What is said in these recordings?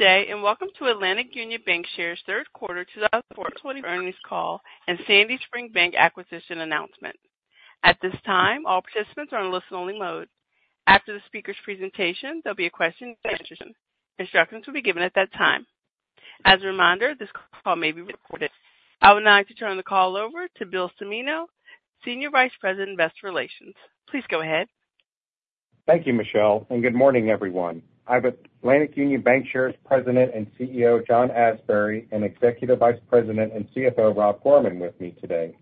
Good day, and welcome to Atlantic Union Bankshares third quarter 2024 earnings call and Sandy Spring Bank acquisition announcement. At this time, all participants are on a listen-only mode. After the speaker's presentation, there'll be a question and answer session. Instructions will be given at that time. As a reminder, this call may be recorded. I would now like to turn the call over to Bill Cimino, Senior Vice President, Investor Relations. Please go ahead. Thank you, Michelle, and good morning, everyone. I have Atlantic Union Bankshares President and CEO, John Asbury, and Executive Vice President and CFO, Rob Gorman, with me today.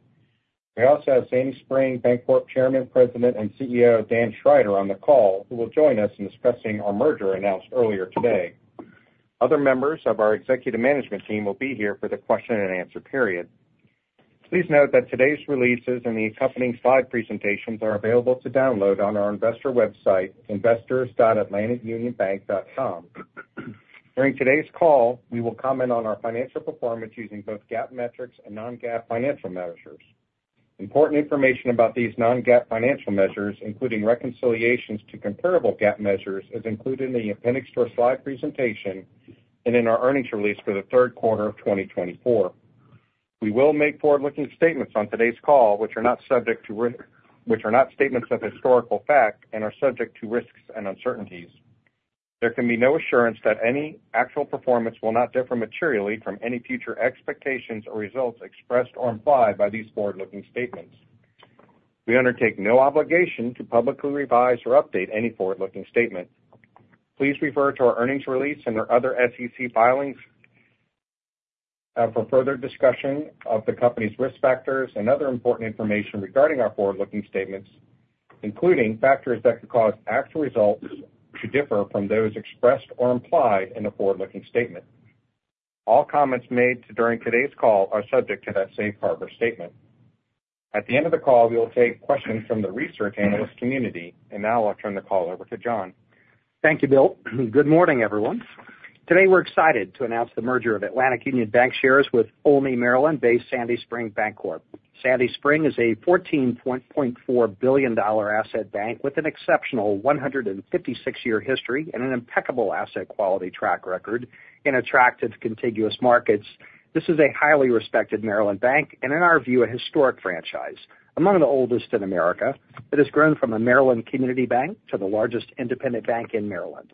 We also have Sandy Spring Bancorp Chairman, President, and CEO, Dan Schrider, on the call, who will join us in discussing our merger announced earlier today. Other members of our executive management team will be here for the question and answer period. Please note that today's releases and the accompanying slide presentations are available to download on our investor website, investors.atlanticunionbank.com. During today's call, we will comment on our financial performance using both GAAP metrics and non-GAAP financial measures. Important information about these non-GAAP financial measures, including reconciliations to comparable GAAP measures, is included in the appendix to our slide presentation and in our earnings release for the third quarter of twenty twenty-four. We will make forward-looking statements on today's call, which are not statements of historical fact and are subject to risks and uncertainties. There can be no assurance that any actual performance will not differ materially from any future expectations or results expressed or implied by these forward-looking statements. We undertake no obligation to publicly revise or update any forward-looking statement. Please refer to our earnings release and our other SEC filings for further discussion of the company's risk factors and other important information regarding our forward-looking statements, including factors that could cause actual results to differ from those expressed or implied in the forward-looking statement. All comments made during today's call are subject to that safe harbor statement. At the end of the call, we will take questions from the research analyst community, and now I'll turn the call over to John. Thank you, Bill. Good morning, everyone. Today, we're excited to announce the merger of Atlantic Union Bankshares with Olney, Maryland-based Sandy Spring Bancorp. Sandy Spring is a $14.4 billion asset bank with an exceptional 156-year history and an impeccable asset quality track record in attractive contiguous markets. This is a highly respected Maryland bank and, in our view, a historic franchise. Among the oldest in America, it has grown from a Maryland community bank to the largest independent bank in Maryland.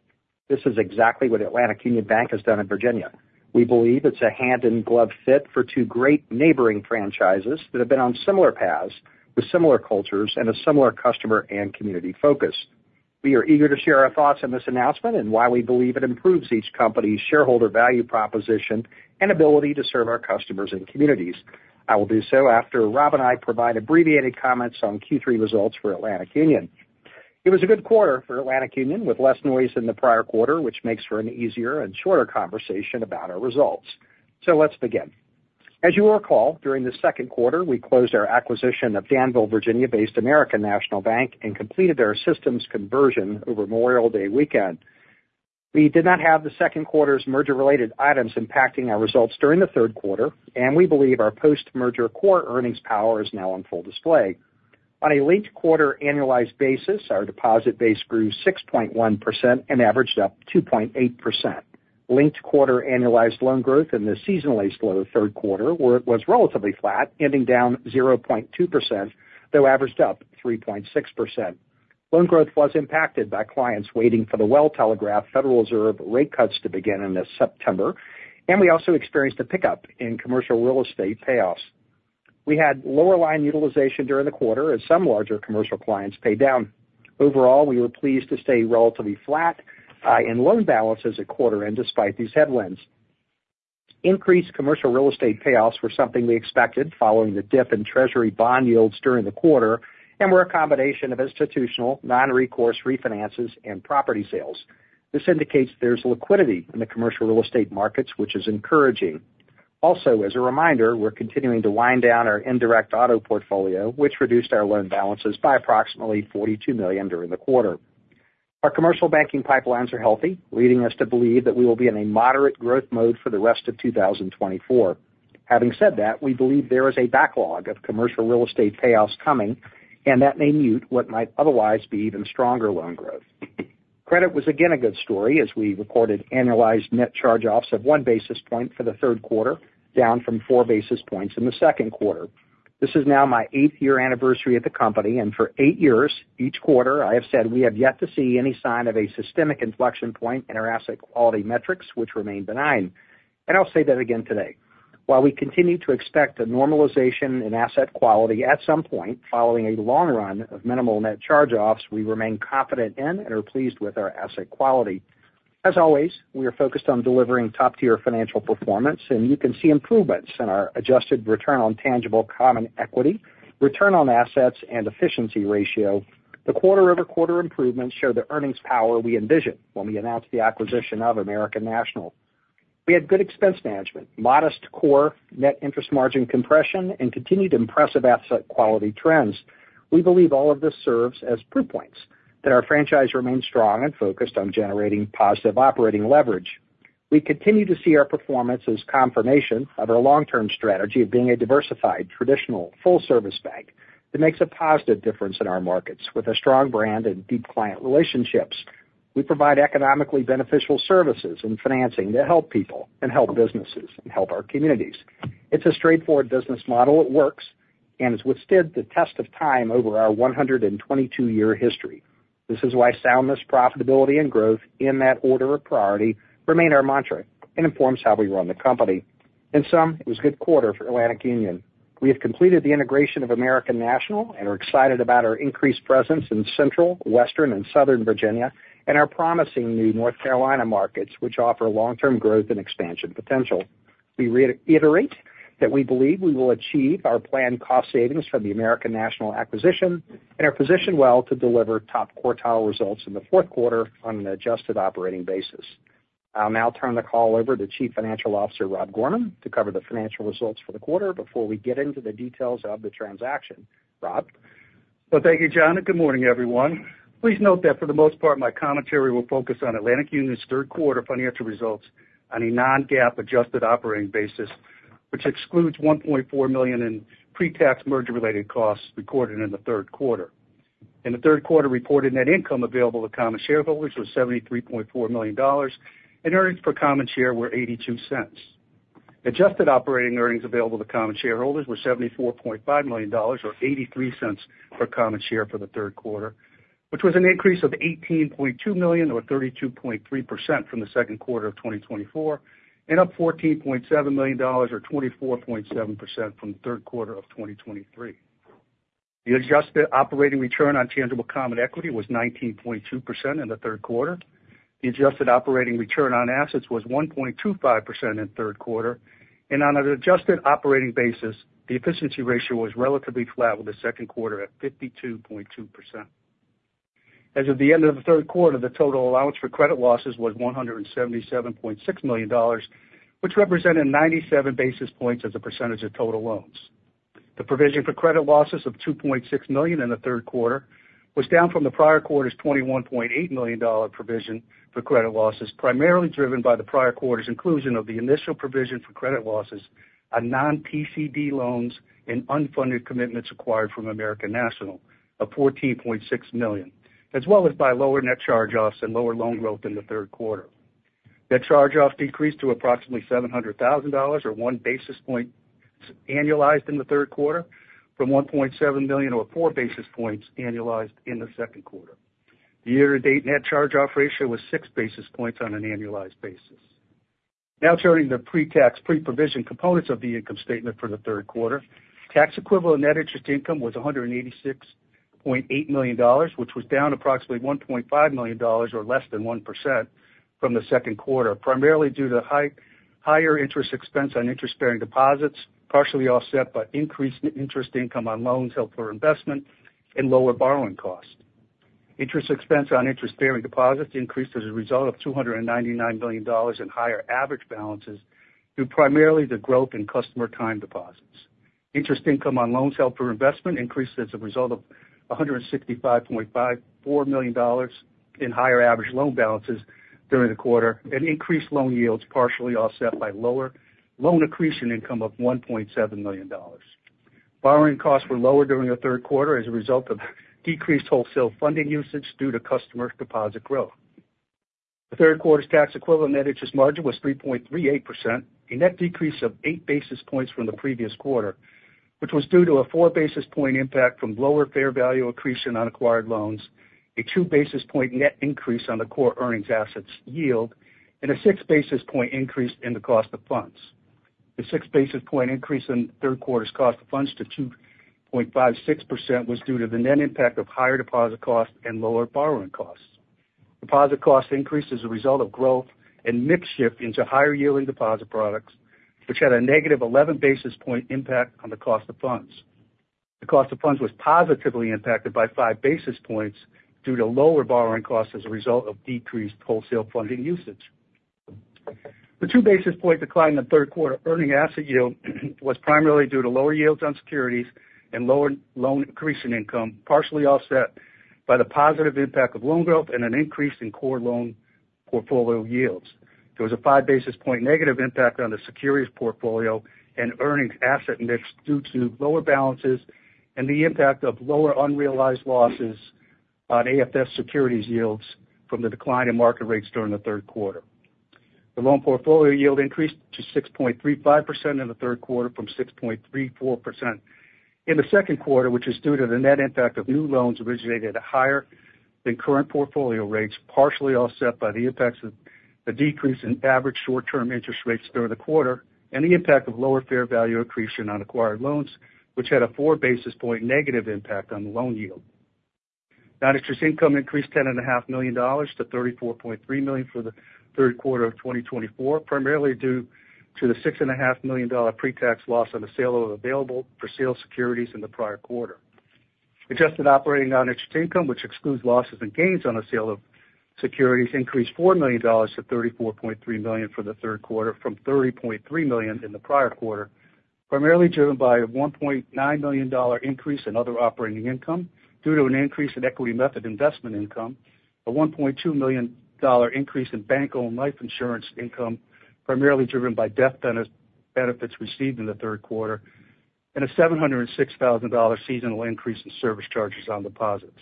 This is exactly what Atlantic Union Bank has done in Virginia. We believe it's a hand-in-glove fit for two great neighboring franchises that have been on similar paths, with similar cultures and a similar customer and community focus. We are eager to share our thoughts on this announcement and why we believe it improves each company's shareholder value proposition and ability to serve our customers and communities. I will do so after Rob and I provide abbreviated comments on Q3 results for Atlantic Union. It was a good quarter for Atlantic Union, with less noise than the prior quarter, which makes for an easier and shorter conversation about our results. So let's begin. As you will recall, during the second quarter, we closed our acquisition of Danville, Virginia-based American National Bank and completed our systems conversion over Memorial Day weekend. We did not have the second quarter's merger-related items impacting our results during the third quarter, and we believe our post-merger core earnings power is now on full display. On a linked-quarter annualized basis, our deposit base grew 6.1% and averaged up 2.8%. Linked-quarter annualized loan growth in the seasonally slow third quarter was relatively flat, ending down 0.2%, though averaged up 3.6%. Loan growth was impacted by clients waiting for the well-telegraphed Federal Reserve rate cuts to begin in this September, and we also experienced a pickup in commercial real estate payoffs. We had lower line utilization during the quarter as some larger commercial clients paid down. Overall, we were pleased to stay relatively flat in loan balances at quarter end despite these headwinds. Increased commercial real estate payoffs were something we expected following the dip in treasury bond yields during the quarter and were a combination of institutional, non-recourse refinances, and property sales. This indicates there's liquidity in the commercial real estate markets, which is encouraging. Also, as a reminder, we're continuing to wind down our indirect auto portfolio, which reduced our loan balances by approximately $42 million during the quarter. Our commercial banking pipelines are healthy, leading us to believe that we will be in a moderate growth mode for the rest of two thousand twenty-four. Having said that, we believe there is a backlog of commercial real estate payoffs coming, and that may mute what might otherwise be even stronger loan growth. Credit was again a good story as we recorded annualized net charge-offs of one basis point for the third quarter, down from four basis points in the second quarter. This is now my eighth year anniversary at the company, and for eight years, each quarter, I have said we have yet to see any sign of a systemic inflection point in our asset quality metrics, which remain benign, and I'll say that again today. While we continue to expect a normalization in asset quality at some point following a long run of minimal net charge-offs, we remain confident in and are pleased with our asset quality. As always, we are focused on delivering top-tier financial performance, and you can see improvements in our adjusted return on tangible common equity, return on assets, and efficiency ratio. The quarter-over-quarter improvements show the earnings power we envisioned when we announced the acquisition of American National. We had good expense management, modest core net interest margin compression, and continued impressive asset quality trends. We believe all of this serves as proof points that our franchise remains strong and focused on generating positive operating leverage. We continue to see our performance as confirmation of our long-term strategy of being a diversified, traditional, full-service bank.... It makes a positive difference in our markets. With a strong brand and deep client relationships, we provide economically beneficial services and financing to help people and help businesses and help our communities. It's a straightforward business model. It works, and it's withstood the test of time over our one hundred and twenty-two year history. This is why soundness, profitability, and growth, in that order of priority, remain our mantra and informs how we run the company. In sum, it was a good quarter for Atlantic Union. We have completed the integration of American National and are excited about our increased presence in Central, Western, and Southern Virginia, and our promising new North Carolina markets, which offer long-term growth and expansion potential. We reiterate that we believe we will achieve our planned cost savings from the American National acquisition and are positioned well to deliver top quartile results in the fourth quarter on an adjusted operating basis. I'll now turn the call over to Chief Financial Officer, Rob Gorman, to cover the financial results for the quarter before we get into the details of the transaction. Rob? Thank you, John, and good morning, everyone. Please note that for the most part, my commentary will focus on Atlantic Union's third quarter financial results on a non-GAAP adjusted operating basis, which excludes $1.4 million in pre-tax merger-related costs recorded in the third quarter. In the third quarter, reported net income available to common shareholders was $73.4 million, and earnings per common share were $0.82. Adjusted operating earnings available to common shareholders were $74.5 million, or $0.83 per common share for the third quarter, which was an increase of $18.2 million, or 32.3% from the second quarter of 2024, and up $14.7 million, or 24.7% from the third quarter of 2023. The adjusted operating return on tangible common equity was 19.2% in the third quarter. The adjusted operating return on assets was 1.25% in the third quarter, and on an adjusted operating basis, the efficiency ratio was relatively flat with the second quarter at 52.2%. As of the end of the third quarter, the total allowance for credit losses was $177.6 million, which represented 97 basis points as a percentage of total loans. The provision for credit losses of $2.6 million in the third quarter was down from the prior quarter's $21.8 million provision for credit losses, primarily driven by the prior quarter's inclusion of the initial provision for credit losses on non-PCD loans and unfunded commitments acquired from American National of $14.6 million, as well as by lower net charge-offs and lower loan growth in the third quarter. Net charge-offs decreased to approximately $700,000, or one basis point annualized in the third quarter from $1.7 million, or four basis points annualized in the second quarter. The year-to-date net charge-off ratio was six basis points on an annualized basis. Now turning to pre-tax, pre-provision components of the income statement for the third quarter. Tax-equivalent net interest income was $186.8 million, which was down approximately $1.5 million, or less than 1% from the second quarter, primarily due to higher interest expense on interest-bearing deposits, partially offset by increased interest income on loans held for investment and lower borrowing costs. Interest expense on interest-bearing deposits increased as a result of $299 million in higher average balances, due primarily to growth in customer time deposits. Interest income on loans held for investment increased as a result of $165.54 million in higher average loan balances during the quarter, and increased loan yields partially offset by lower loan accretion income of $1.7 million. Borrowing costs were lower during the third quarter as a result of decreased wholesale funding usage due to customer deposit growth. The third quarter's tax equivalent net interest margin was 3.38%, a net decrease of eight basis points from the previous quarter, which was due to a four basis point impact from lower fair value accretion on acquired loans, a two basis point net increase on the core earnings assets yield, and a six basis point increase in the cost of funds. The six basis point increase in the third quarter's cost of funds to 2.56% was due to the net impact of higher deposit costs and lower borrowing costs. Deposit costs increased as a result of growth and mix shift into higher-yielding deposit products, which had a negative eleven basis point impact on the cost of funds. The cost of funds was positively impacted by five basis points due to lower borrowing costs as a result of decreased wholesale funding usage. The two basis points decline in the third quarter earning asset yield was primarily due to lower yields on securities and lower loan increase in income, partially offset by the positive impact of loan growth and an increase in core loan portfolio yields. There was a five basis points negative impact on the securities portfolio and earnings asset mix due to lower balances and the impact of lower unrealized losses on AFS securities yields from the decline in market rates during the third quarter. The loan portfolio yield increased to 6.35% in the third quarter from 6.34% in the second quarter, which is due to the net impact of new loans originated at higher than current portfolio rates, partially offset by the impacts of the decrease in average short-term interest rates during the quarter and the impact of lower fair value accretion on acquired loans, which had a four basis points negative impact on the loan yield. Non-interest income increased $10.5 million to $34.3 million for the third quarter of 2024, primarily due to the $6.5 million pre-tax loss on the sale of available-for-sale securities in the prior quarter. Adjusted operating non-interest income, which excludes losses and gains on the sale of securities, increased $4 million to $34.3 million for the third quarter from $30.3 million in the prior quarter, primarily driven by a $1.9 million increase in other operating income due to an increase in equity method investment income, a $1.2 million increase in bank-owned life insurance income, primarily driven by death benefits received in the third quarter, and a $706,000 seasonal increase in service charges on deposits.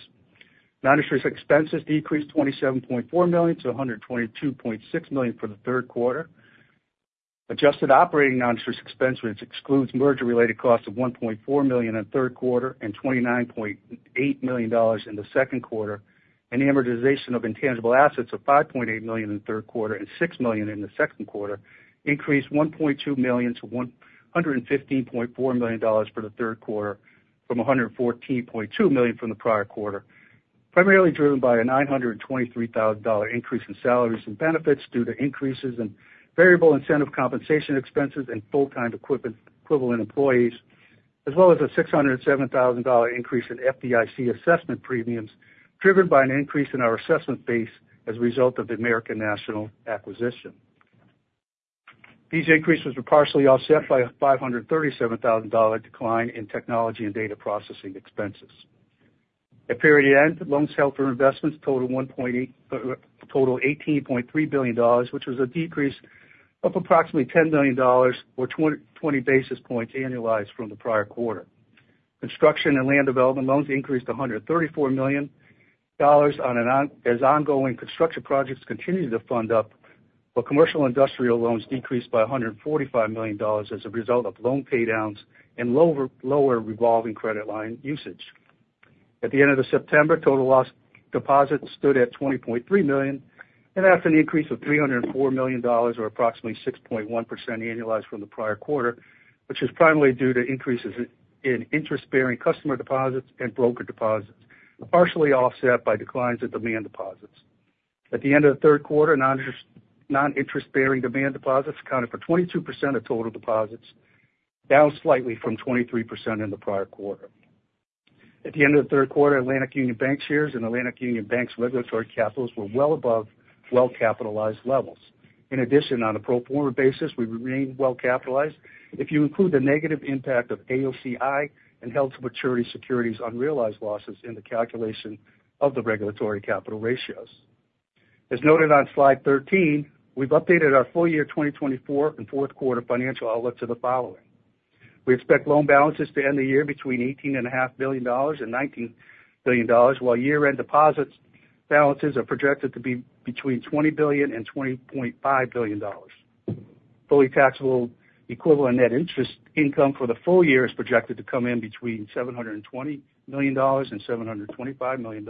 Non-interest expenses decreased $27.4 million to $122.6 million for the third quarter. Adjusted operating non-interest expense, which excludes merger-related costs of $1.4 million in the third quarter and $29.8 million in the second quarter, and amortization of intangible assets of $5.8 million in the third quarter and $6 million in the second quarter, increased $1.2 million to $115.4 million for the third quarter from $114.2 million from the prior quarter, primarily driven by a $923,000 increase in salaries and benefits due to increases in variable incentive compensation expenses and full-time equivalent employees, as well as a $607,000 increase in FDIC assessment premiums, driven by an increase in our assessment base as a result of the American National acquisition. These increases were partially offset by a $537,000 decline in technology and data processing expenses. At period end, loans held for investments totaled $18.3 billion, which was a decrease of approximately $10 billion or 20 basis points annualized from the prior quarter. Construction and land development loans increased to $134 million as ongoing construction projects continue to fund up, while commercial industrial loans decreased by $145 million as a result of loan paydowns and lower revolving credit line usage. At the end of September, total deposits stood at $20.3 million, and that's an increase of $304 million, or approximately 6.1% annualized from the prior quarter, which is primarily due to increases in interest-bearing customer deposits and brokered deposits, partially offset by declines in demand deposits. At the end of the third quarter, non-interest-bearing demand deposits accounted for 22% of total deposits, down slightly from 23% in the prior quarter. At the end of the third quarter, Atlantic Union Bankshares and Atlantic Union Bank's regulatory capitals were well above well-capitalized levels. In addition, on a pro forma basis, we remain well capitalized if you include the negative impact of AOCI and held-to-maturity securities' unrealized losses in the calculation of the regulatory capital ratios. As noted on slide 13, we've updated our full year 2024 and fourth quarter financial outlook to the following: We expect loan balances to end the year between $18.5 billion and $19 billion, while year-end deposit balances are projected to be between $20 billion and $20.5 billion. Fully taxable-equivalent net interest income for the full year is projected to come in between $720 million and $725 million,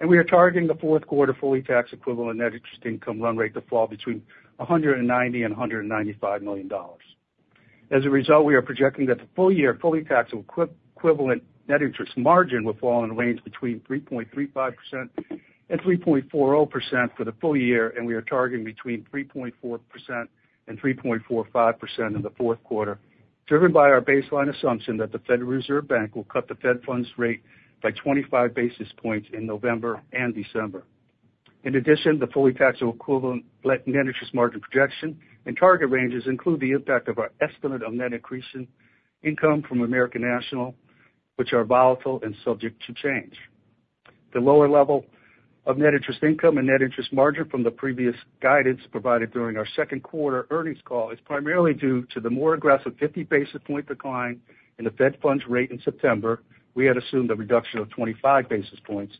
and we are targeting the fourth quarter fully taxable-equivalent net interest income run rate to fall between $190 million and $195 million. As a result, we are projecting that the full year fully taxable equivalent net interest margin will fall in the range between 3.35% and 3.40% for the full year, and we are targeting between 3.4% and 3.45% in the fourth quarter, driven by our baseline assumption that the Federal Reserve will cut the Fed funds rate by 25 basis points in November and December. In addition, the fully taxable equivalent net interest margin projection and target ranges include the impact of our estimate of net accretion income from American National, which are volatile and subject to change. The lower level of net interest income and net interest margin from the previous guidance provided during our second quarter earnings call is primarily due to the more aggressive 50 basis point decline in the Fed funds rate in September. We had assumed a reduction of 25 basis points.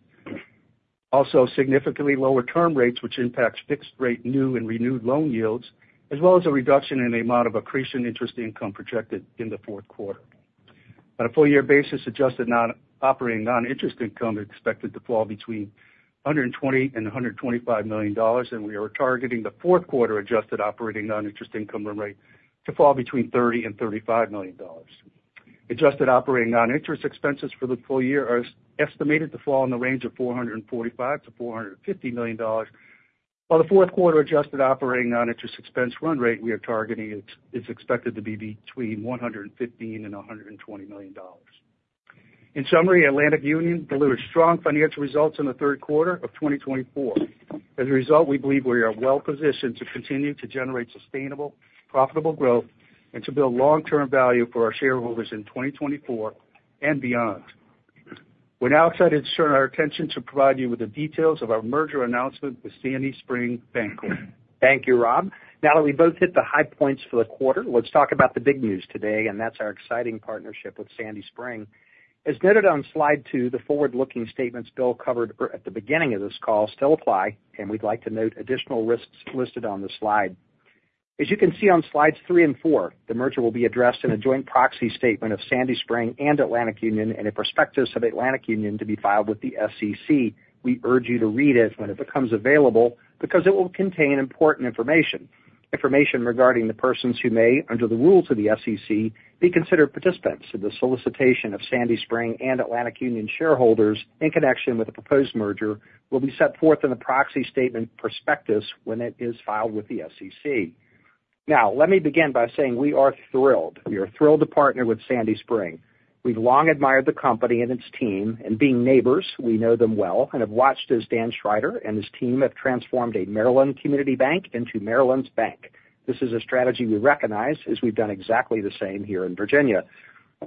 Also, significantly lower term rates, which impacts fixed rate, new and renewed loan yields, as well as a reduction in the amount of accretion interest income projected in the fourth quarter. On a full year basis, adjusted nonoperating noninterest income is expected to fall between $120 million and $125 million, and we are targeting the fourth quarter adjusted operating noninterest income run rate to fall between $30 million and $35 million. Adjusted operating non-interest expenses for the full year are estimated to fall in the range of $445-$450 million, while the fourth quarter adjusted operating non-interest expense run rate we are targeting is expected to be between $115 million and $120 million. In summary, Atlantic Union delivered strong financial results in the third quarter of 2024. As a result, we believe we are well positioned to continue to generate sustainable, profitable growth and to build long-term value for our shareholders in 2024 and beyond. We're now excited to turn our attention to provide you with the details of our merger announcement with Sandy Spring Bank. Thank you, Rob. Now that we've both hit the high points for the quarter, let's talk about the big news today, and that's our exciting partnership with Sandy Spring. As noted on slide two, the forward-looking statements Bill covered at the beginning of this call still apply, and we'd like to note additional risks listed on the slide. As you can see on slides three and four, the merger will be addressed in a joint proxy statement of Sandy Spring and Atlantic Union and a prospectus of Atlantic Union to be filed with the SEC. We urge you to read it when it becomes available, because it will contain important information. Information regarding the persons who may, under the rules of the SEC, be considered participants in the solicitation of Sandy Spring and Atlantic Union shareholders in connection with the proposed merger will be set forth in the proxy statement prospectus when it is filed with the SEC. Now, let me begin by saying we are thrilled. We are thrilled to partner with Sandy Spring. We've long admired the company and its team, and being neighbors, we know them well and have watched as Dan Schrider and his team have transformed a Maryland community bank into Maryland's bank. This is a strategy we recognize, as we've done exactly the same here in Virginia.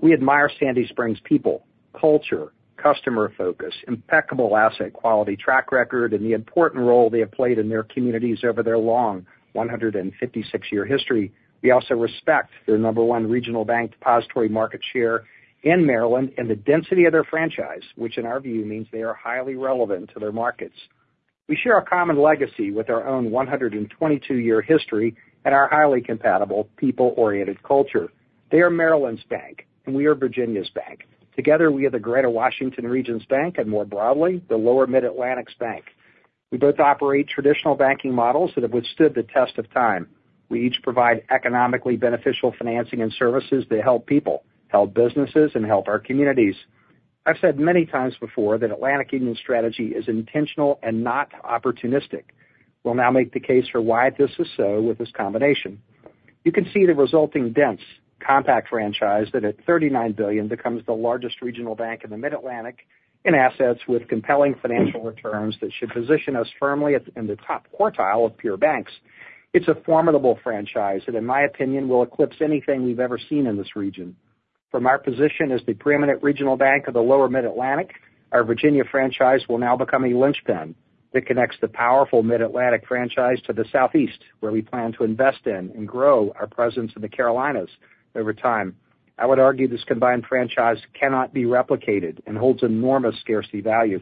We admire Sandy Spring's people, culture, customer focus, impeccable asset quality track record, and the important role they have played in their communities over their long one hundred and fifty-six year history. We also respect their number one regional bank depository market share in Maryland and the density of their franchise, which in our view, means they are highly relevant to their markets. We share a common legacy with our own 122-year history and our highly compatible people-oriented culture. They are Maryland's bank, and we are Virginia's bank. Together, we are the Greater Washington Region's bank and, more broadly, the Lower Mid-Atlantic's bank. We both operate traditional banking models that have withstood the test of time. We each provide economically beneficial financing and services to help people, help businesses, and help our communities. I've said many times before that Atlantic Union's strategy is intentional and not opportunistic. We'll now make the case for why this is so with this combination. You can see the resulting dense, compact franchise that, at $39 billion, becomes the largest regional bank in the Mid-Atlantic in assets with compelling financial returns that should position us firmly at, in the top quartile of peer banks. It's a formidable franchise that, in my opinion, will eclipse anything we've ever seen in this region. From our position as the preeminent regional bank of the Lower Mid-Atlantic, our Virginia franchise will now become a linchpin that connects the powerful Mid-Atlantic franchise to the Southeast, where we plan to invest in and grow our presence in the Carolinas over time. I would argue this combined franchise cannot be replicated and holds enormous scarcity value.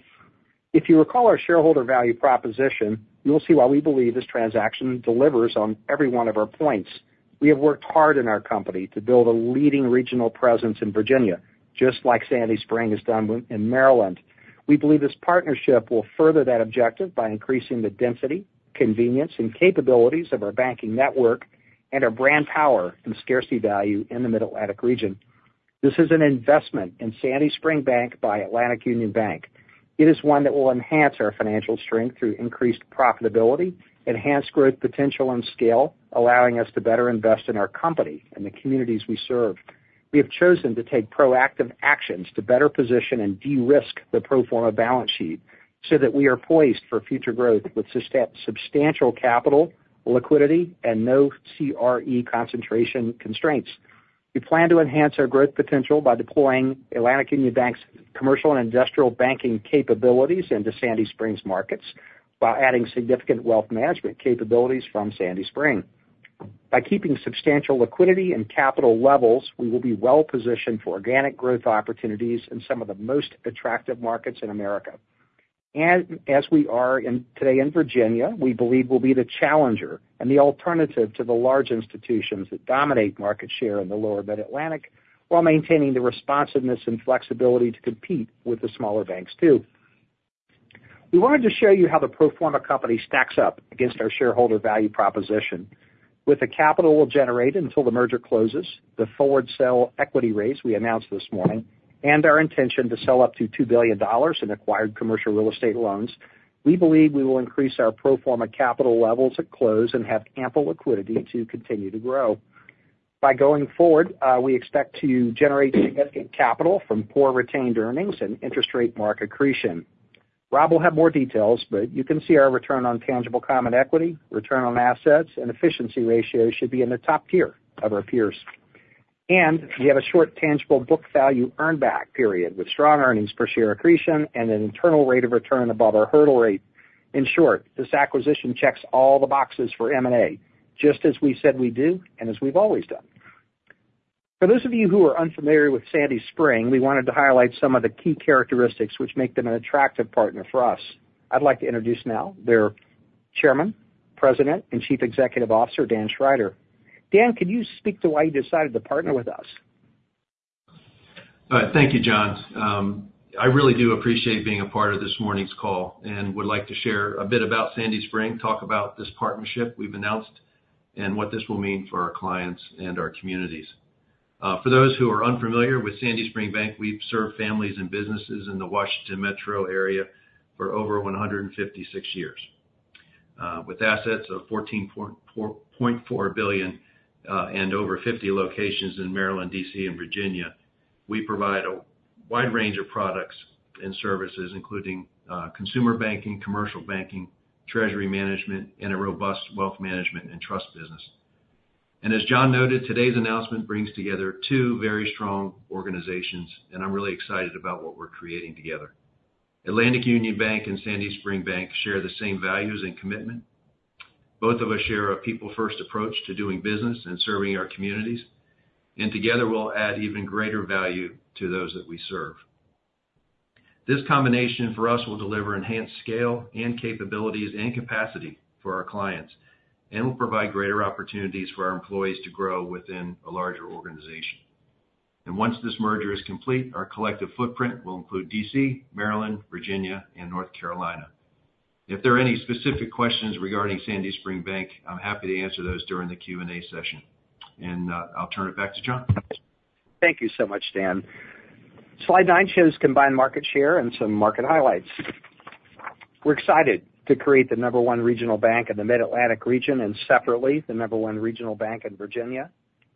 If you recall our shareholder value proposition, you will see why we believe this transaction delivers on every one of our points. We have worked hard in our company to build a leading regional presence in Virginia, just like Sandy Spring has done in Maryland. We believe this partnership will further that objective by increasing the density, convenience, and capabilities of our banking network and our brand power and scarcity value in the Mid-Atlantic region. This is an investment in Sandy Spring Bank by Atlantic Union Bank. It is one that will enhance our financial strength through increased profitability, enhanced growth, potential and scale, allowing us to better invest in our company and the communities we serve. We have chosen to take proactive actions to better position and de-risk the pro forma balance sheet so that we are poised for future growth with substantial capital, liquidity, and no CRE concentration constraints. We plan to enhance our growth potential by deploying Atlantic Union Bank's commercial and industrial banking capabilities into Sandy Spring's markets, while adding significant wealth management capabilities from Sandy Spring. By keeping substantial liquidity and capital levels, we will be well positioned for organic growth opportunities in some of the most attractive markets in America. And as we are today in Virginia, we believe we'll be the challenger and the alternative to the large institutions that dominate market share in the Lower Mid-Atlantic, while maintaining the responsiveness and flexibility to compete with the smaller banks, too. We wanted to show you how the pro forma company stacks up against our shareholder value proposition. With the capital we'll generate until the merger closes, the forward sale equity raise we announced this morning, and our intention to sell up to $2 billion in acquired commercial real estate loans, we believe we will increase our pro forma capital levels at close and have ample liquidity to continue to grow. Going forward, we expect to generate significant capital from core retained earnings and interest rate mark accretion. Rob will have more details, but you can see our return on tangible common equity, return on assets, and efficiency ratios should be in the top tier of our peers. And we have a short tangible book value earn back period, with strong earnings per share accretion and an internal rate of return above our hurdle rate. In short, this acquisition checks all the boxes for M&A, just as we said we'd do and as we've always done. For those of you who are unfamiliar with Sandy Spring, we wanted to highlight some of the key characteristics which make them an attractive partner for us. I'd like to introduce now their Chairman, President, and Chief Executive Officer, Dan Schrider. Dan, could you speak to why you decided to partner with us? Thank you, John. I really do appreciate being a part of this morning's call and would like to share a bit about Sandy Spring, talk about this partnership we've announced, and what this will mean for our clients and our communities. For those who are unfamiliar with Sandy Spring Bank, we've served families and businesses in the Washington metro area for over one hundred and fifty-six years. With assets of $14.4 billion and over 50 locations in Maryland, D.C., and Virginia, we provide a wide range of products and services, including consumer banking, commercial banking, treasury management, and a robust wealth management and trust business. As John noted, today's announcement brings together two very strong organizations, and I'm really excited about what we're creating together. Atlantic Union Bank and Sandy Spring Bank share the same values and commitment. Both of us share a people-first approach to doing business and serving our communities, and together we'll add even greater value to those that we serve. This combination, for us, will deliver enhanced scale and capabilities and capacity for our clients and will provide greater opportunities for our employees to grow within a larger organization. And once this merger is complete, our collective footprint will include DC, Maryland, Virginia, and North Carolina. If there are any specific questions regarding Sandy Spring Bank, I'm happy to answer those during the Q&A session. And, I'll turn it back to John. Thank you so much, Dan. Slide nine shows combined market share and some market highlights. We're excited to create the number one regional bank in the Mid-Atlantic region, and separately, the number one regional bank in Virginia,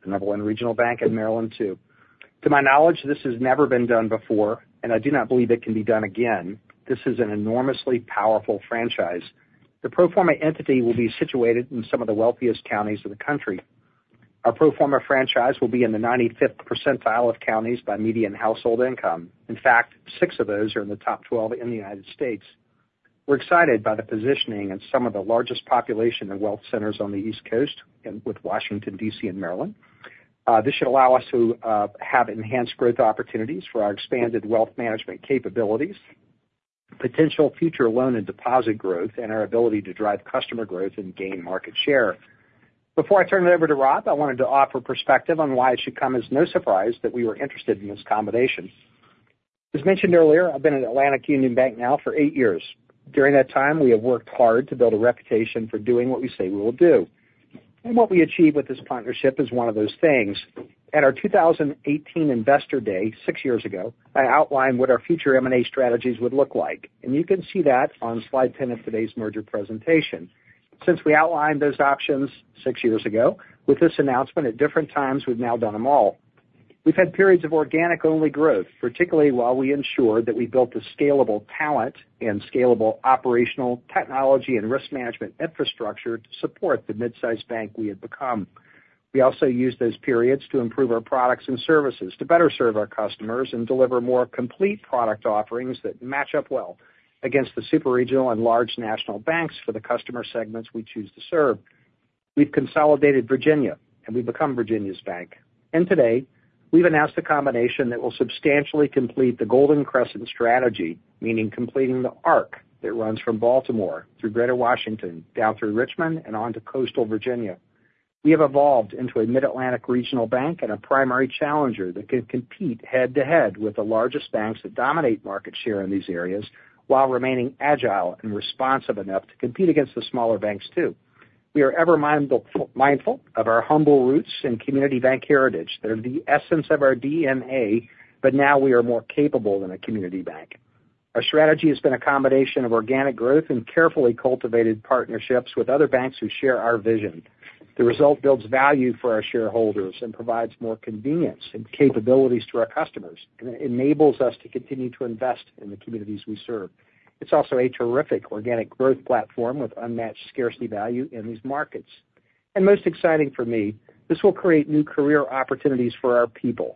the number one regional bank in Maryland, too. To my knowledge, this has never been done before, and I do not believe it can be done again. This is an enormously powerful franchise. The pro forma entity will be situated in some of the wealthiest counties in the country. Our pro forma franchise will be in the ninety-fifth percentile of counties by median household income. In fact, six of those are in the top 12 in the United States. We're excited by the positioning in some of the largest population and wealth centers on the East Coast, and with Washington, D.C., and Maryland.... This should allow us to have enhanced growth opportunities for our expanded wealth management capabilities, potential future loan and deposit growth, and our ability to drive customer growth and gain market share. Before I turn it over to Rob, I wanted to offer perspective on why it should come as no surprise that we were interested in this combination. As mentioned earlier, I've been at Atlantic Union Bank now for eight years. During that time, we have worked hard to build a reputation for doing what we say we will do, and what we achieve with this partnership is one of those things. At our 2018 Investor Day, six years ago, I outlined what our future M&A strategies would look like, and you can see that on slide 10 of today's merger presentation. Since we outlined those options six years ago, with this announcement, at different times, we've now done them all. We've had periods of organic-only growth, particularly while we ensured that we built the scalable talent and scalable operational technology and risk management infrastructure to support the mid-sized bank we had become. We also used those periods to improve our products and services, to better serve our customers and deliver more complete product offerings that match up well against the super regional and large national banks for the customer segments we choose to serve. We've consolidated Virginia, and we've become Virginia's bank, and today, we've announced a combination that will substantially complete the Golden Crescent strategy, meaning completing the arc that runs from Baltimore through Greater Washington, down through Richmond and onto coastal Virginia. We have evolved into a Mid-Atlantic regional bank and a primary challenger that can compete head-to-head with the largest banks that dominate market share in these areas, while remaining agile and responsive enough to compete against the smaller banks, too. We are ever mindful of our humble roots and community bank heritage. They're the essence of our DNA, but now we are more capable than a community bank. Our strategy has been a combination of organic growth and carefully cultivated partnerships with other banks who share our vision. The result builds value for our shareholders and provides more convenience and capabilities to our customers, and it enables us to continue to invest in the communities we serve. It's also a terrific organic growth platform with unmatched scarcity value in these markets. Most exciting for me, this will create new career opportunities for our people,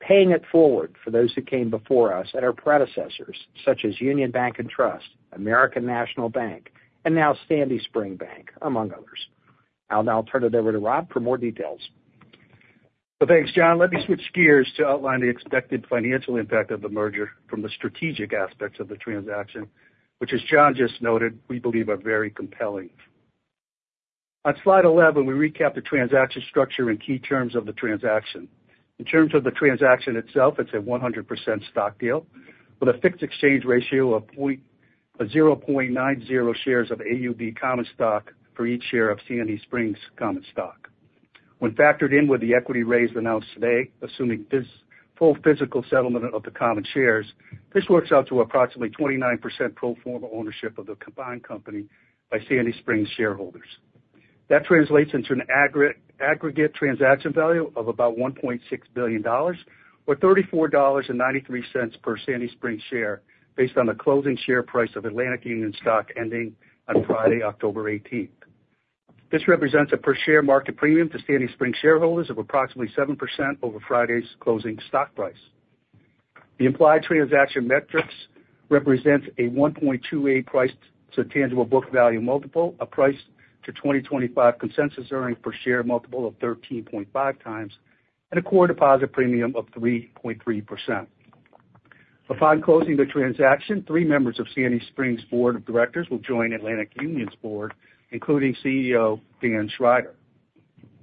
paying it forward for those who came before us and our predecessors, such as Union Bank and Trust, American National Bank, and now Sandy Spring Bank, among others. I'll now turn it over to Rob for more details. Thanks, John. Let me switch gears to outline the expected financial impact of the merger from the strategic aspects of the transaction, which as John just noted, we believe are very compelling. On slide 11, we recap the transaction structure and key terms of the transaction. In terms of the transaction itself, it's a 100% stock deal with a fixed exchange ratio of 0.90 shares of AUB common stock for each share of Sandy Spring's common stock. When factored in with the equity raise announced today, assuming full physical settlement of the common shares, this works out to approximately 29% pro forma ownership of the combined company by Sandy Spring's shareholders. That translates into an aggregate transaction value of about $1.6 billion, or $34.93 per Sandy Spring share, based on the closing share price of Atlantic Union stock ending on Friday, October eighteenth. This represents a per-share market premium to Sandy Spring shareholders of approximately 7% over Friday's closing stock price. The implied transaction metrics represents a 1.28 price to tangible book value multiple, a price to 2025 consensus earnings per share multiple of 13.5 times, and a core deposit premium of 3.3%. Upon closing the transaction, three members of Sandy Spring's Board of Directors will join Atlantic Union's board, including CEO Dan Schrider.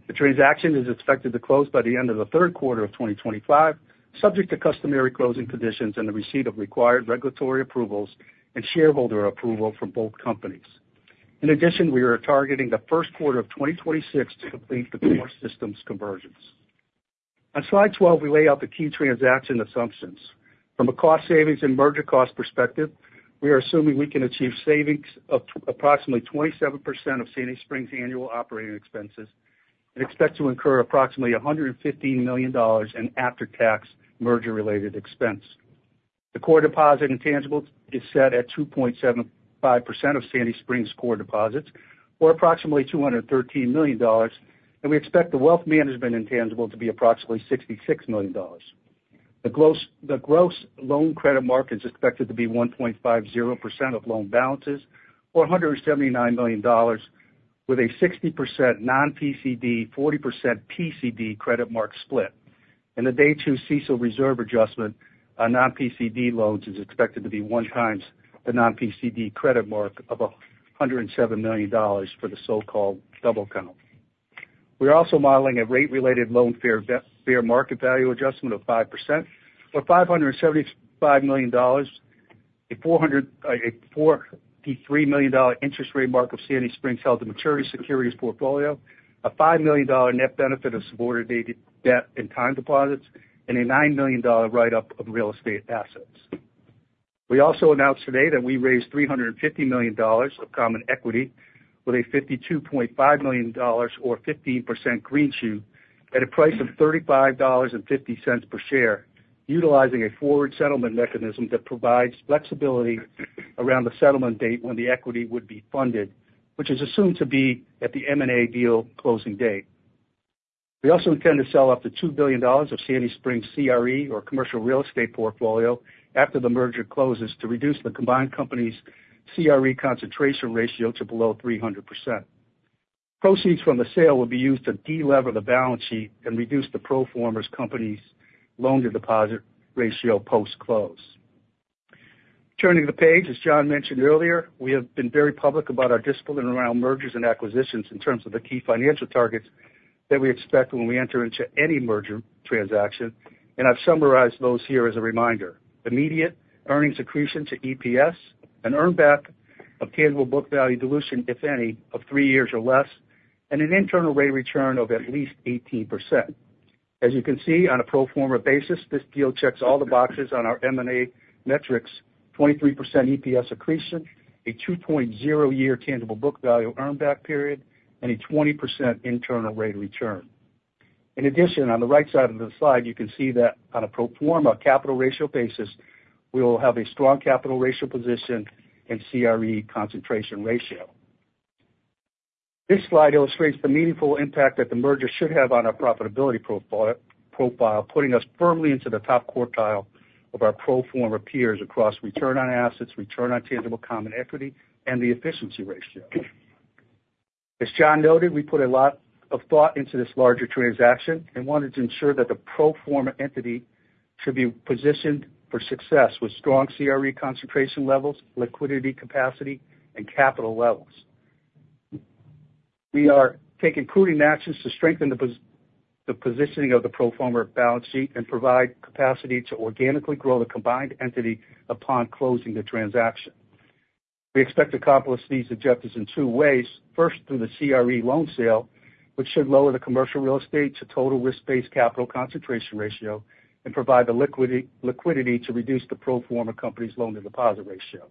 The transaction is expected to close by the end of the third quarter of 2025, subject to customary closing conditions and the receipt of required regulatory approvals and shareholder approval from both companies. In addition, we are targeting the first quarter of 2026 to complete the core systems conversions. On slide 12, we lay out the key transaction assumptions. From a cost savings and merger cost perspective, we are assuming we can achieve savings of approximately 27% of Sandy Spring's annual operating expenses and expect to incur approximately $115 million in after-tax merger-related expense. The core deposit intangibles is set at 2.75% of Sandy Spring's core deposits, or approximately $213 million, and we expect the wealth management intangible to be approximately $66 million. The gross loan credit mark is expected to be 1.50% of loan balances, or $179 million, with a 60% non-PCD, 40% PCD credit mark split. In the day two CECL reserve adjustment on non-PCD loans is expected to be one times the non-PCD credit mark of $107 million for the so-called double count. We're also modeling a rate-related loan fair market value adjustment of 5%, or $575 million, a $43 million interest rate mark of Sandy Spring's held-to-maturity securities portfolio, a $5 million net benefit of subordinated debt and time deposits, and a $9 million write-up of real estate assets. We also announced today that we raised $350 million of common equity with a $52.5 million or 15% greenshoe at a price of $35.50 per share, utilizing a forward settlement mechanism that provides flexibility around the settlement date when the equity would be funded, which is assumed to be at the M&A deal closing date. We also intend to sell up to $2 billion of Sandy Spring's CRE, or commercial real estate portfolio, after the merger closes to reduce the combined company's CRE concentration ratio to below 300%. Proceeds from the sale will be used to delever the balance sheet and reduce the pro forma company's loan-to-deposit ratio post-close. Turning the page, as John mentioned earlier, we have been very public about our discipline around mergers and acquisitions in terms of the key financial targets that we expect when we enter into any merger transaction, and I've summarized those here as a reminder. Immediate earnings accretion to EPS, an earn back of tangible book value dilution, if any, of three years or less, and an internal rate of return of at least 18%. As you can see, on a pro forma basis, this deal checks all the boxes on our M&A metrics, 23% EPS accretion, a 2.0 year tangible book value earn back period, and a 20% internal rate of return. In addition, on the right side of the slide, you can see that on a pro forma capital ratio basis, we will have a strong capital ratio position and CRE concentration ratio. This slide illustrates the meaningful impact that the merger should have on our profitability profile, putting us firmly into the top quartile of our pro forma peers across return on assets, return on tangible common equity, and the efficiency ratio. As John noted, we put a lot of thought into this larger transaction and wanted to ensure that the pro forma entity should be positioned for success with strong CRE concentration levels, liquidity capacity, and capital levels. We are taking prudent actions to strengthen the positioning of the pro forma balance sheet and provide capacity to organically grow the combined entity upon closing the transaction. We expect to accomplish these objectives in two ways. First, through the CRE loan sale, which should lower the commercial real estate to total risk-based capital concentration ratio and provide the liquidity to reduce the pro forma company's loan-to-deposit ratio.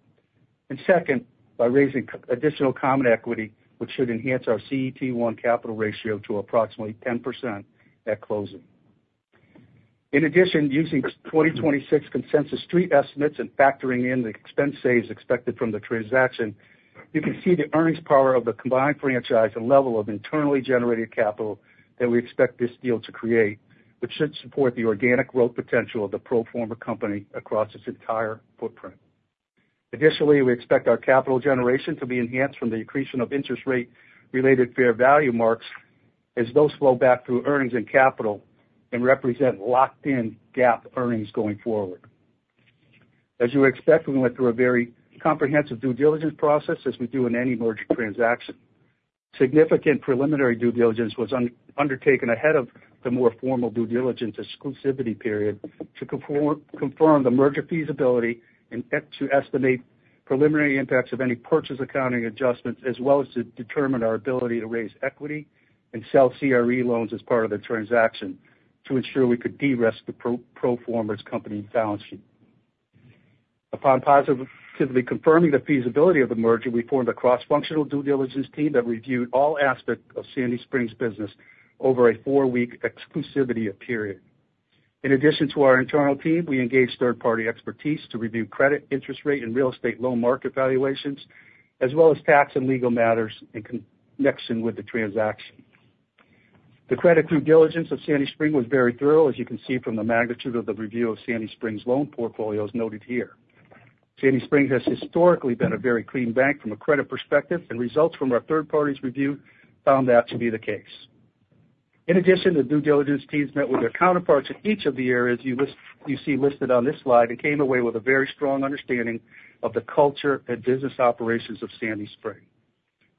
Second, by raising additional common equity, which should enhance our CET1 capital ratio to approximately 10% at closing. In addition, using 2026 consensus Street estimates and factoring in the expense savings expected from the transaction, you can see the earnings power of the combined franchise and level of internally generated capital that we expect this deal to create, which should support the organic growth potential of the pro forma company across its entire footprint. Additionally, we expect our capital generation to be enhanced from the accretion of interest rate-related fair value marks as those flow back through earnings and capital and represent locked-in GAAP earnings going forward. As you expect, we went through a very comprehensive due diligence process, as we do in any merger transaction. Significant preliminary due diligence was undertaken ahead of the more formal due diligence exclusivity period to confirm the merger feasibility and to estimate preliminary impacts of any purchase accounting adjustments, as well as to determine our ability to raise equity and sell CRE loans as part of the transaction to ensure we could de-risk the pro forma company balance sheet. Upon positively confirming the feasibility of the merger, we formed a cross-functional due diligence team that reviewed all aspects of Sandy Spring's business over a four-week exclusivity period. In addition to our internal team, we engaged third-party expertise to review credit, interest rate, and real estate loan market valuations, as well as tax and legal matters in connection with the transaction. The credit due diligence of Sandy Spring was very thorough, as you can see from the magnitude of the review of Sandy Spring's loan portfolios noted here. Sandy Spring has historically been a very clean bank from a credit perspective, and results from our third party's review found that to be the case. In addition, the due diligence teams met with their counterparts in each of the areas you listed, you see listed on this slide and came away with a very strong understanding of the culture and business operations of Sandy Spring,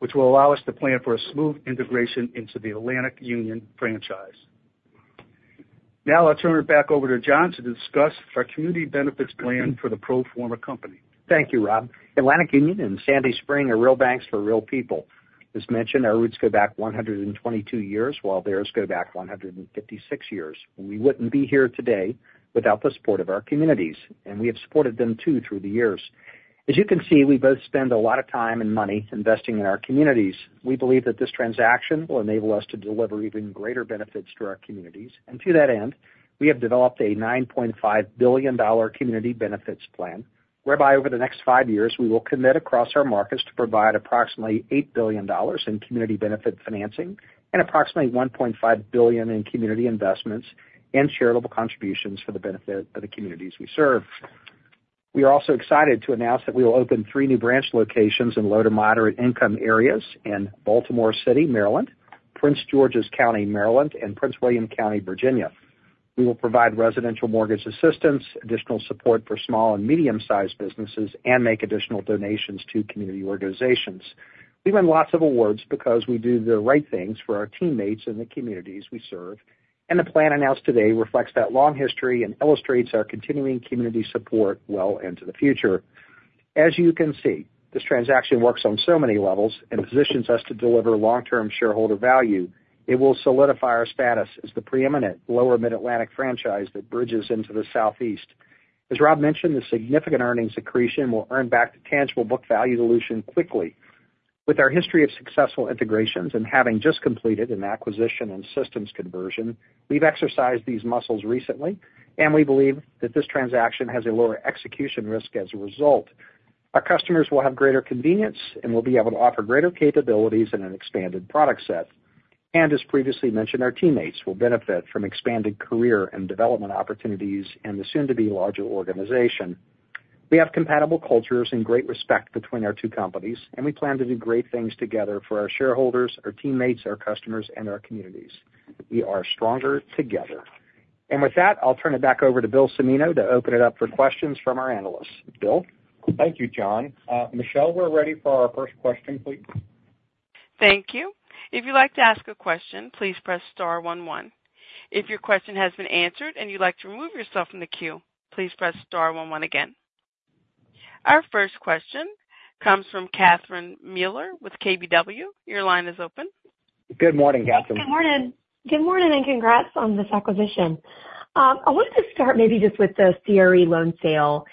which will allow us to plan for a smooth integration into the Atlantic Union franchise. Now I'll turn it back over to John to discuss our community benefits plan for the pro forma company. Thank you, Rob. Atlantic Union and Sandy Spring are real banks for real people. As mentioned, our roots go back one hundred and twenty-two years, while theirs go back one hundred and fifty-six years. We wouldn't be here today without the support of our communities, and we have supported them, too, through the years. As you can see, we both spend a lot of time and money investing in our communities. We believe that this transaction will enable us to deliver even greater benefits to our communities, and to that end, we have developed a $9.5 billion community benefits plan, whereby over the next five years, we will commit across our markets to provide approximately $8 billion in community benefit financing and approximately $1.5 billion in community investments and charitable contributions for the benefit of the communities we serve. We are also excited to announce that we will open three new branch locations in low to moderate income areas in Baltimore City, Maryland, Prince George's County, Maryland, and Prince William County, Virginia. We will provide residential mortgage assistance, additional support for small and medium-sized businesses, and make additional donations to community organizations. We win lots of awards because we do the right things for our teammates and the communities we serve, and the plan announced today reflects that long history and illustrates our continuing community support well into the future. As you can see, this transaction works on so many levels and positions us to deliver long-term shareholder value. It will solidify our status as the preeminent lower Mid-Atlantic franchise that bridges into the Southeast. As Rob mentioned, the significant earnings accretion will earn back the tangible book value dilution quickly. With our history of successful integrations and having just completed an acquisition and systems conversion, we've exercised these muscles recently, and we believe that this transaction has a lower execution risk as a result. Our customers will have greater convenience, and we'll be able to offer greater capabilities and an expanded product set. And as previously mentioned, our teammates will benefit from expanded career and development opportunities in the soon-to-be larger organization... We have compatible cultures and great respect between our two companies, and we plan to do great things together for our shareholders, our teammates, our customers, and our communities. We are stronger together. And with that, I'll turn it back over to Bill Cimino to open it up for questions from our analysts. Bill? Thank you, John. Michelle, we're ready for our first question, please. Thank you. If you'd like to ask a question, please press star one one. If your question has been answered and you'd like to remove yourself from the queue, please press star one one again. Our first question comes from Catherine Mealor with KBW. Your line is open. Good morning, Catherine. Good morning. Good morning, and congrats on this acquisition. I wanted to start maybe just with the CRE loan sale.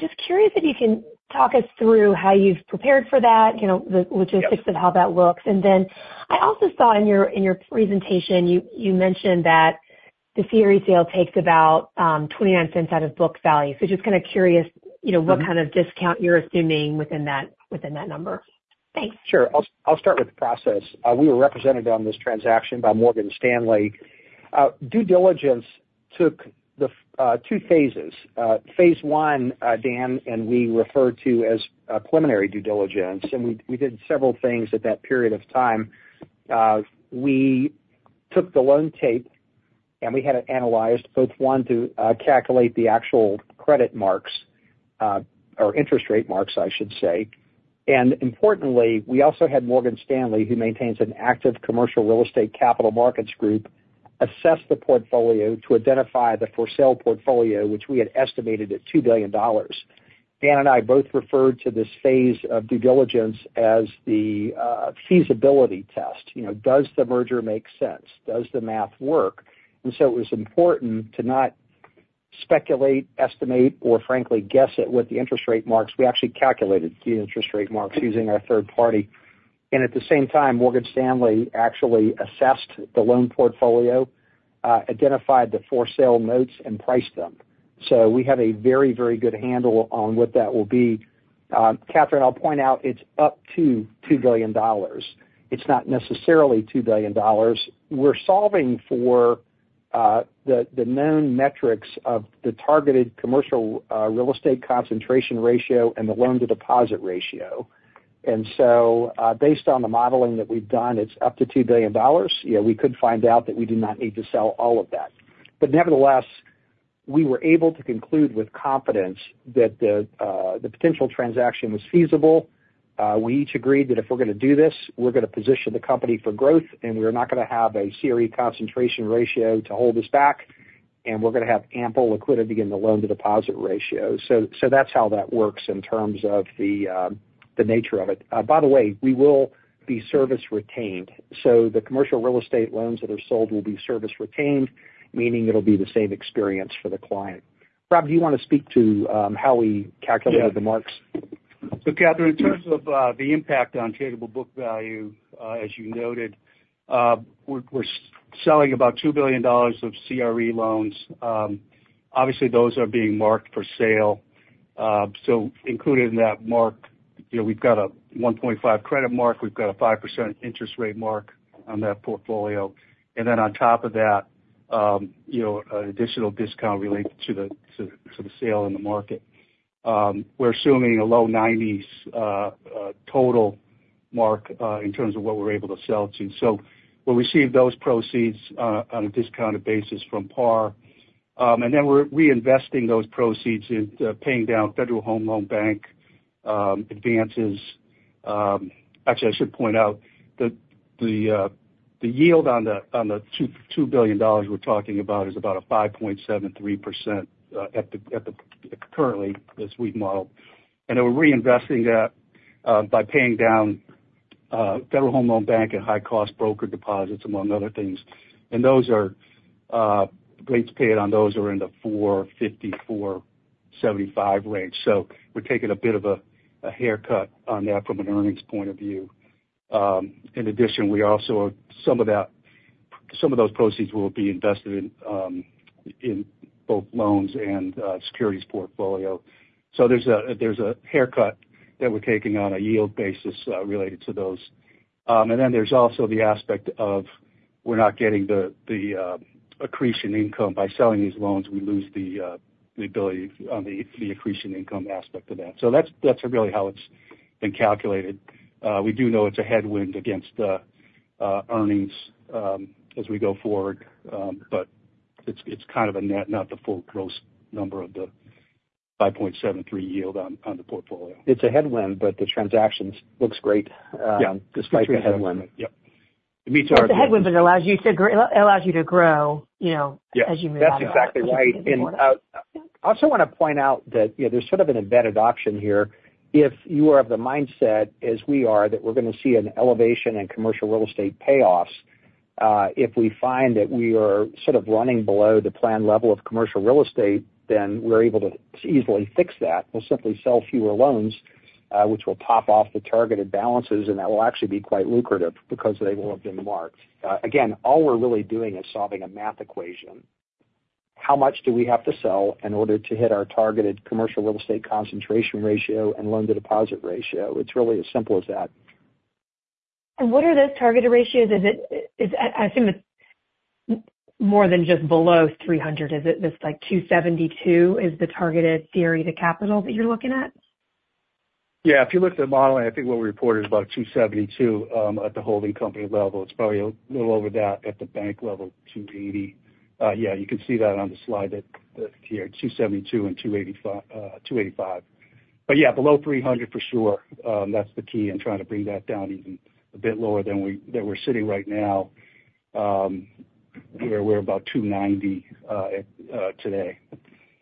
Just curious if you can talk us through how you've prepared for that, you know, the logistics of how that looks. And then I also saw in your presentation, you mentioned that the CRE sale takes about $0.29 out of book value. So just kind of curious, you know, what kind of discount you're assuming within that, within that number. Thanks. Sure. I'll start with the process. We were represented on this transaction by Morgan Stanley. Due diligence took two phases. Phase one, Dan and we refer to as preliminary due diligence, and we did several things at that period of time. We took the loan tape, and we had it analyzed, both, one, to calculate the actual credit marks, or interest rate marks, I should say. And importantly, we also had Morgan Stanley, who maintains an active commercial real estate capital markets group, assess the portfolio to identify the for sale portfolio, which we had estimated at $2 billion. Dan and I both referred to this phase of due diligence as the feasibility test. You know, does the merger make sense? Does the math work? And so it was important to not speculate, estimate, or frankly, guess at what the interest rate marks. We actually calculated the interest rate marks using our third party. And at the same time, Morgan Stanley actually assessed the loan portfolio, identified the for sale notes and priced them. So we have a very, very good handle on what that will be. Catherine, I'll point out it's up to $2 billion. It's not necessarily $2 billion. We're solving for the known metrics of the targeted commercial real estate concentration ratio and the loan-to-deposit ratio. And so, based on the modeling that we've done, it's up to $2 billion. You know, we could find out that we do not need to sell all of that. But nevertheless, we were able to conclude with confidence that the potential transaction was feasible. We each agreed that if we're going to do this, we're going to position the company for growth, and we are not going to have a CRE concentration ratio to hold us back, and we're going to have ample liquidity in the loan-to-deposit ratio. So that's how that works in terms of the, the nature of it. By the way, we will be servicing retained. So the commercial real estate loans that are sold will be servicing retained, meaning it'll be the same experience for the client. Rob, do you want to speak to how we calculated the marks? So, Catherine, in terms of the impact on tangible book value, as you noted, we're selling about $2 billion of CRE loans. Obviously, those are being marked for sale. So including that mark, you know, we've got a 1.5 credit mark. We've got a 5% interest rate mark on that portfolio. And then on top of that, you know, an additional discount related to the sale in the market. We're assuming a low 90s total mark in terms of what we're able to sell to. So we'll receive those proceeds on a discounted basis from par. And then we're reinvesting those proceeds into paying down Federal Home Loan Bank advances. Actually, I should point out that the yield on the $2 billion we're talking about is about 5.73%, currently, as we've modeled. And then we're reinvesting that by paying down Federal Home Loan Bank and high-cost broker deposits, among other things. And those rates paid on those are in the 4.50-4.75 range. So we're taking a bit of a haircut on that from an earnings point of view. In addition, we also are... Some of that, some of those proceeds will be invested in both loans and securities portfolio. So there's a haircut that we're taking on a yield basis related to those. And then there's also the aspect of we're not getting the accretion income. By selling these loans, we lose the ability on the accretion income aspect of that. So that's really how it's been calculated. We do know it's a headwind against the earnings as we go forward, but it's kind of a net, not the full gross number of the 5.73 yield on the portfolio. It's a headwind, but the transaction looks great- Yeah. despite the headwind. Yep. It meets our- But the headwind then allows you to grow, you know- Yeah. as you move on. That's exactly right. And I also want to point out that, you know, there's sort of an embedded option here. If you are of the mindset, as we are, that we're going to see an elevation in commercial real estate payoffs, if we find that we are sort of running below the planned level of commercial real estate, then we're able to easily fix that. We'll simply sell fewer loans, which will top off the targeted balances, and that will actually be quite lucrative because they will have been marked. Again, all we're really doing is solving a math equation. How much do we have to sell in order to hit our targeted commercial real estate concentration ratio and loan-to-deposit ratio? It's really as simple as that. And what are those targeted ratios? Is it more than just below 300? Is it this, like, 272 is the targeted tier, the capital that you're looking at? Yeah, if you look at the model, I think what we reported is about 272 at the holding company level. It's probably a little over that at the bank level, 280. Yeah, you can see that on the slide that here, 272 and 285. But yeah, below 300 for sure. That's the key in trying to bring that down even a bit lower than we're sitting right now, where we're about 290 today.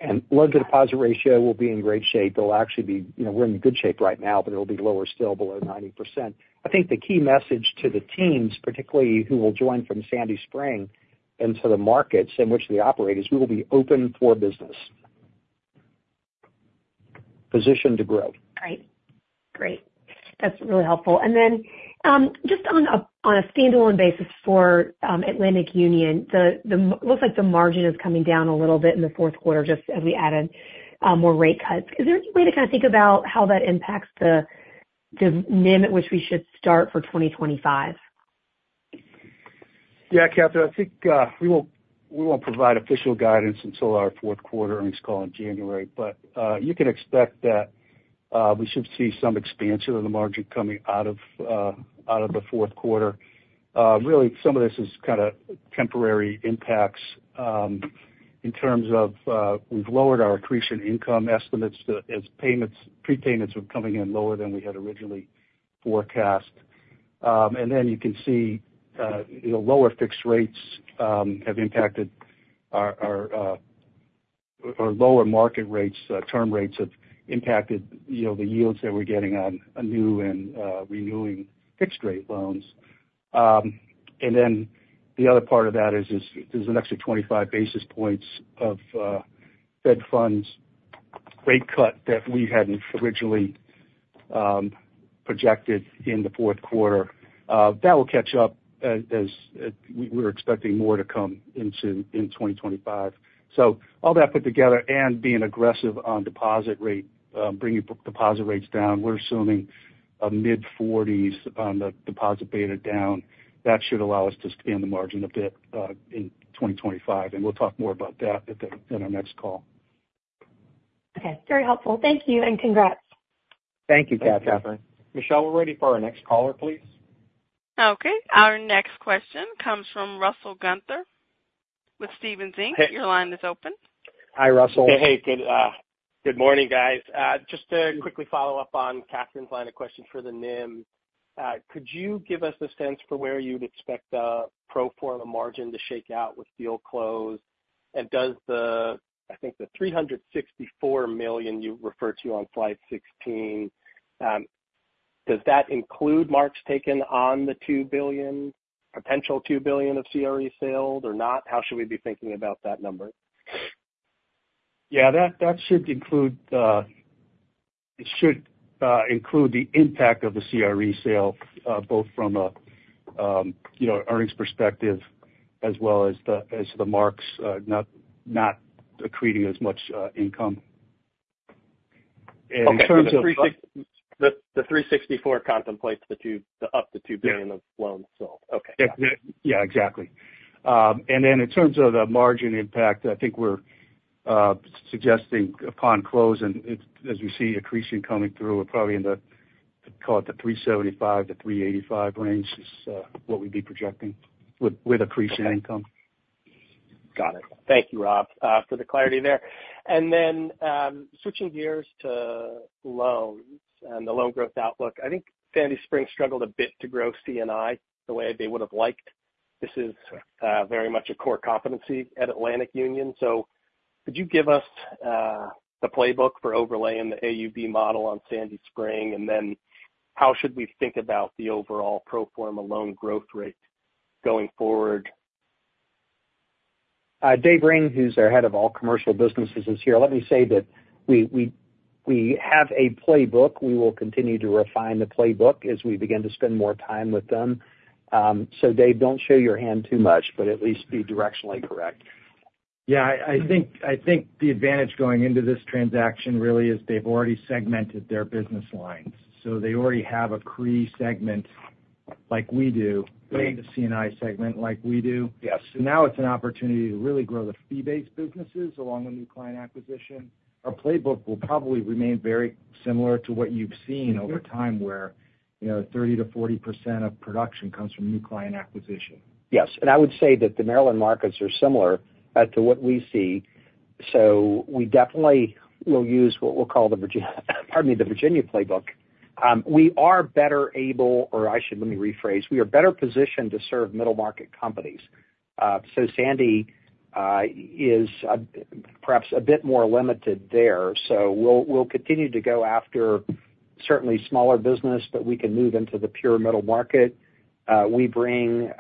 And loan-to-deposit ratio will be in great shape. It'll actually be, you know, we're in good shape right now, but it'll be lower, still below 90%. I think the key message to the teams, particularly who will join from Sandy Spring into the markets in which they operate, is we will be open for business. Positioned to grow. Great. Great. That's really helpful. And then, just on a standalone basis for Atlantic Union, the margin looks like it's coming down a little bit in the fourth quarter, just as we added more rate cuts. Is there any way to kind of think about how that impacts the NIM at which we should start for twenty twenty-five? Yeah, Catherine, I think we won't provide official guidance until our fourth quarter earnings call in January. But you can expect that we should see some expansion in the margin coming out of the fourth quarter. Really, some of this is kind of temporary impacts in terms of we've lowered our accretion income estimates to as payments, prepayments are coming in lower than we had originally forecast. And then you can see, you know, lower fixed rates have impacted our lower market rates, term rates have impacted, you know, the yields that we're getting on a new and renewing fixed rate loans. And then the other part of that is there's an extra twenty-five basis points of Fed funds rate cut that we hadn't originally projected in the fourth quarter. That will catch up as we're expecting more to come into in twenty twenty-five. So all that put together and being aggressive on deposit rate bringing deposit rates down, we're assuming a mid-forties on the deposit beta down. That should allow us to expand the margin a bit in twenty twenty-five, and we'll talk more about that in our next call. Okay. Very helpful. Thank you and congrats. Thank you, Catherine. Thank you, Catherine. Michelle, we're ready for our next caller, please. Okay, our next question comes from Russell Gunther with Stephens Inc. Hey- Your line is open. Hi, Russell. Hey, hey, good morning, guys. Just to quickly follow up on Catherine's line of question for the NIM. Could you give us a sense for where you'd expect the pro forma margin to shake out with deal close? And does the, I think, the $364 million you referred to on slide 16, does that include marks taken on the $2 billion, potential $2 billion of CRE sold or not? How should we be thinking about that number? Yeah, that should include it should include the impact of the CRE sale, both from a you know earnings perspective as well as the marks not accreting as much income. And in terms of- Okay, so the three sixty-four contemplates up to two billion- Yeah... of loans sold. Okay. Yeah, yeah, exactly. And then in terms of the margin impact, I think we're suggesting upon closing, as we see accretion coming through, we're probably in the, call it the 375-385 range is what we'd be projecting with accretion income. Got it. Thank you, Rob, for the clarity there. And then, switching gears to loans and the loan growth outlook, I think Sandy Spring struggled a bit to grow C&I the way they would have liked. This is very much a core competency at Atlantic Union. So could you give us the playbook for overlaying the AUB model on Sandy Spring? And then how should we think about the overall pro forma loan growth rate going forward? Dave Ring, who's our head of all commercial businesses, is here. Let me say that we have a playbook. We will continue to refine the playbook as we begin to spend more time with them. So Dave, don't show your hand too much, but at least be directionally correct. Yeah, I think the advantage going into this transaction really is they've already segmented their business lines, so they already have a CRE segment like we do. Right. They have a CNI segment like we do. Yes. So now it's an opportunity to really grow the fee-based businesses along with new client acquisition. Our playbook will probably remain very similar to what you've seen over time, where, you know, 30%-40% of production comes from new client acquisition. Yes, and I would say that the Maryland markets are similar to what we see. So we definitely will use what we'll call the Virginia, pardon me, the Virginia playbook. We are better able, or I should let me rephrase. We are better positioned to serve middle-market companies. So Sandy is perhaps a bit more limited there. So we'll continue to go after certainly smaller business, but we can move into the pure middle market. We bring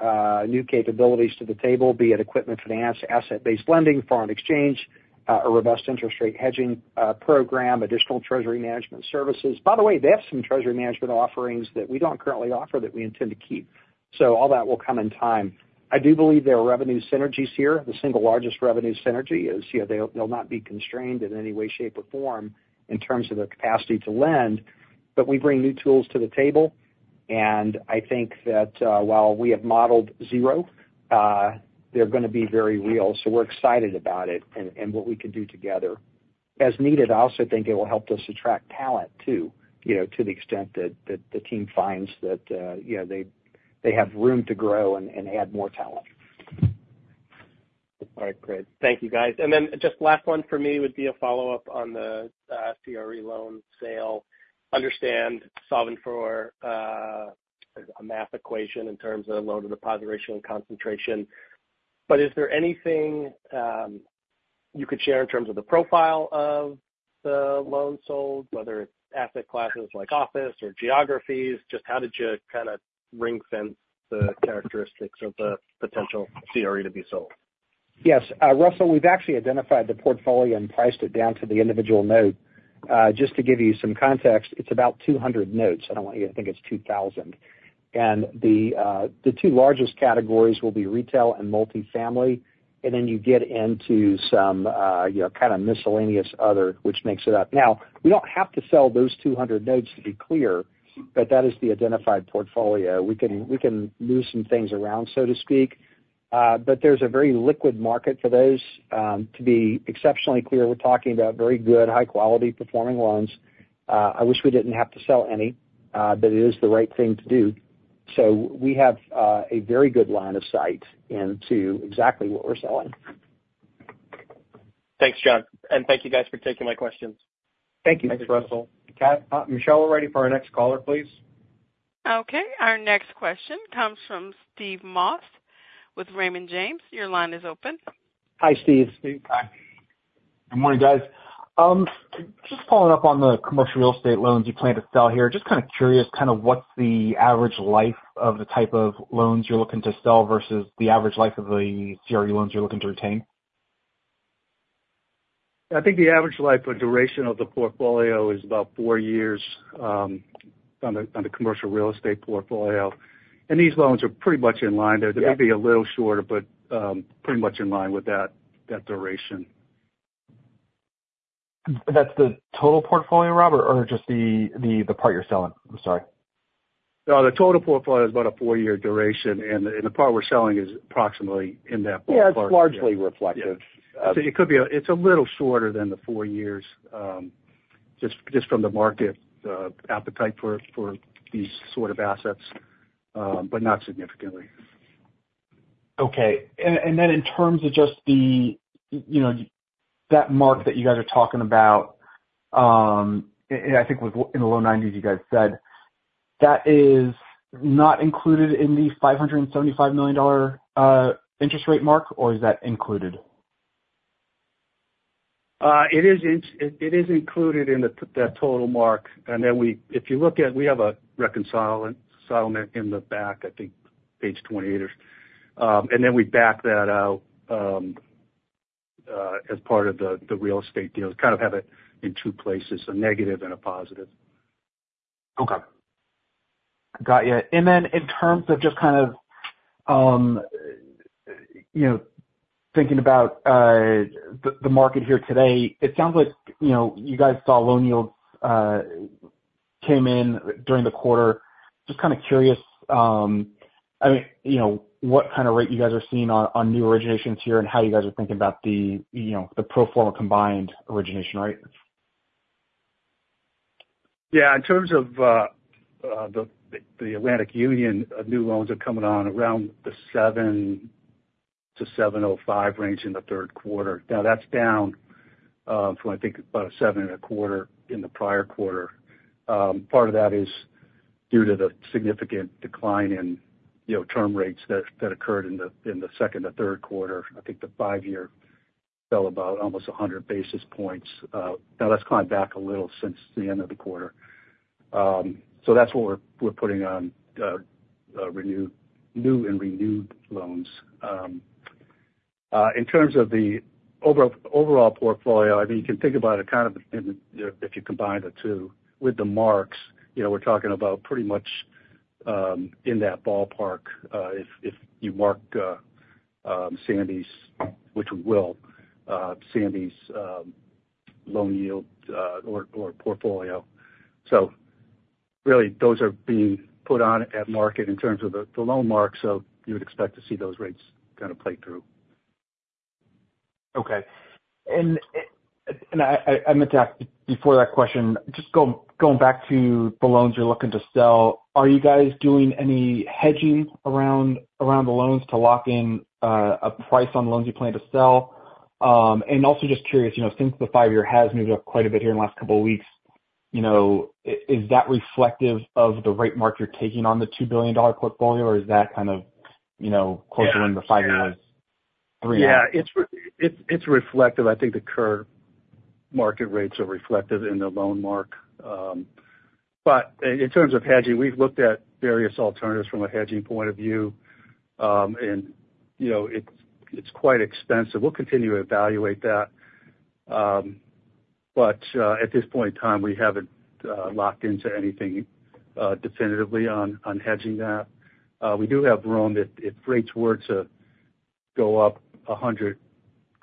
new capabilities to the table, be it equipment finance, asset-based lending, foreign exchange, a robust interest rate hedging program, additional treasury management services. By the way, they have some treasury management offerings that we don't currently offer that we intend to keep... so all that will come in time. I do believe there are revenue synergies here. The single largest revenue synergy is, you know, they'll not be constrained in any way, shape, or form in terms of their capacity to lend. But we bring new tools to the table, and I think that, while we have modeled zero, they're gonna be very real. So we're excited about it and what we can do together. As needed, I also think it will help us attract talent too, you know, to the extent that the team finds that, you know, they have room to grow and add more talent. All right, great. Thank you, guys. And then just last one for me would be a follow-up on the CRE loan sale. Understand solving for a math equation in terms of loan-to-deposit ratio and concentration, but is there anything you could share in terms of the profile of the loans sold, whether it's asset classes like office or geographies? Just how did you kind of ring-fence the characteristics of the potential CRE to be sold? Yes. Russell, we've actually identified the portfolio and priced it down to the individual note. Just to give you some context, it's about 200 notes. I don't want you to think it's 2,000, and the two largest categories will be retail and multifamily, and then you get into some, you know, kind of miscellaneous other, which makes it up. Now, we don't have to sell those 200 notes, to be clear, but that is the identified portfolio. We can move some things around, so to speak, but there's a very liquid market for those. To be exceptionally clear, we're talking about very good, high-quality performing loans. I wish we didn't have to sell any, but it is the right thing to do. So we have a very good line of sight into exactly what we're selling. Thanks, John, and thank you guys for taking my questions. Thank you, Russell. Michelle, we're ready for our next caller, please. Okay, our next question comes from Steve Moss with Raymond James. Your line is open. Hi, Steve. Steve, hi. Good morning, guys. Just following up on the commercial real estate loans you plan to sell here. Just kind of curious, kind of what's the average life of the type of loans you're looking to sell versus the average life of the CRE loans you're looking to retain? I think the average life or duration of the portfolio is about four years on the commercial real estate portfolio, and these loans are pretty much in line there. Yeah. They may be a little shorter, but, pretty much in line with that duration. That's the total portfolio, Rob, or just the part you're selling? I'm sorry. No, the total portfolio is about a four-year duration, and the part we're selling is approximately in that ballpark. Yeah, it's largely reflective. Yeah. It could be a -- it's a little shorter than the four years, just from the market appetite for these sort of assets, but not significantly. Okay. And then in terms of just the, you know, that mark that you guys are talking about, and I think was in the low nineties, you guys said, that is not included in the $575 million interest rate mark, or is that included? It is included in that total mark. And then we, if you look at, we have a reconciliation settlement in the back, I think page 28 or. And then we back that out, as part of the real estate deals. Kind of have it in two places, a negative and a positive. Okay. Got you. And then in terms of just kind of you know thinking about the market here today, it sounds like you know you guys saw loan yields came in during the quarter. Just kind of curious I mean you know what kind of rate you guys are seeing on new originations here and how you guys are thinking about the you know the pro forma combined origination rate? Yeah, in terms of the Atlantic Union, new loans are coming on around the 7% to 7.05% range in the third quarter. Now, that's down from, I think, about 7.25% in the prior quarter. Part of that is due to the significant decline in, you know, term rates that occurred in the second or third quarter. I think the five-year fell about almost 100 basis points. Now that's climbed back a little since the end of the quarter. So that's what we're putting on, new and renewed loans. In terms of the overall portfolio, I mean, you can think about it kind of in, if you combine the two, with the marks, you know, we're talking about pretty much in that ballpark, if you mark Sandy's, which we will, Sandy's loan yield or portfolio. So really, those are being put on at market in terms of the loan mark, so you would expect to see those rates kind of play through. Okay. And I meant to ask before that question, just going back to the loans you're looking to sell, are you guys doing any hedging around the loans to lock in a price on the loans you plan to sell? And also just curious, you know, since the five-year has moved up quite a bit here in the last couple of weeks, you know, is that reflective of the rate mark you're taking on the $2 billion portfolio? Or is that kind of, you know- Yeah. Closer in the five-year? Yeah. Three. Yeah, it's reflective. I think the current market rates are reflective in the loan mark. But in terms of hedging, we've looked at various alternatives from a hedging point of view. And, you know, it's quite expensive. We'll continue to evaluate that. But at this point in time, we haven't locked into anything definitively on hedging that. We do have room if rates were to go up a hundred,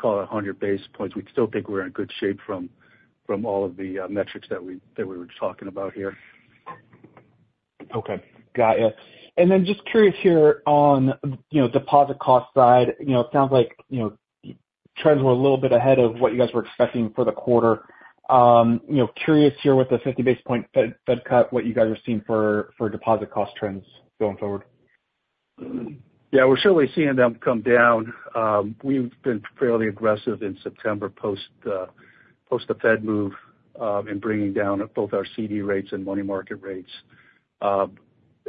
call it a hundred basis points. We'd still think we're in good shape from all of the metrics that we were talking about here. Okay, got it. And then just curious here on, you know, deposit cost side, you know, it sounds like, you know, trends were a little bit ahead of what you guys were expecting for the quarter. You know, curious here with the 50 basis point Fed cut, what you guys are seeing for deposit cost trends going forward? Yeah, we're certainly seeing them come down. We've been fairly aggressive in September post the Fed move in bringing down both our CD rates and money market rates.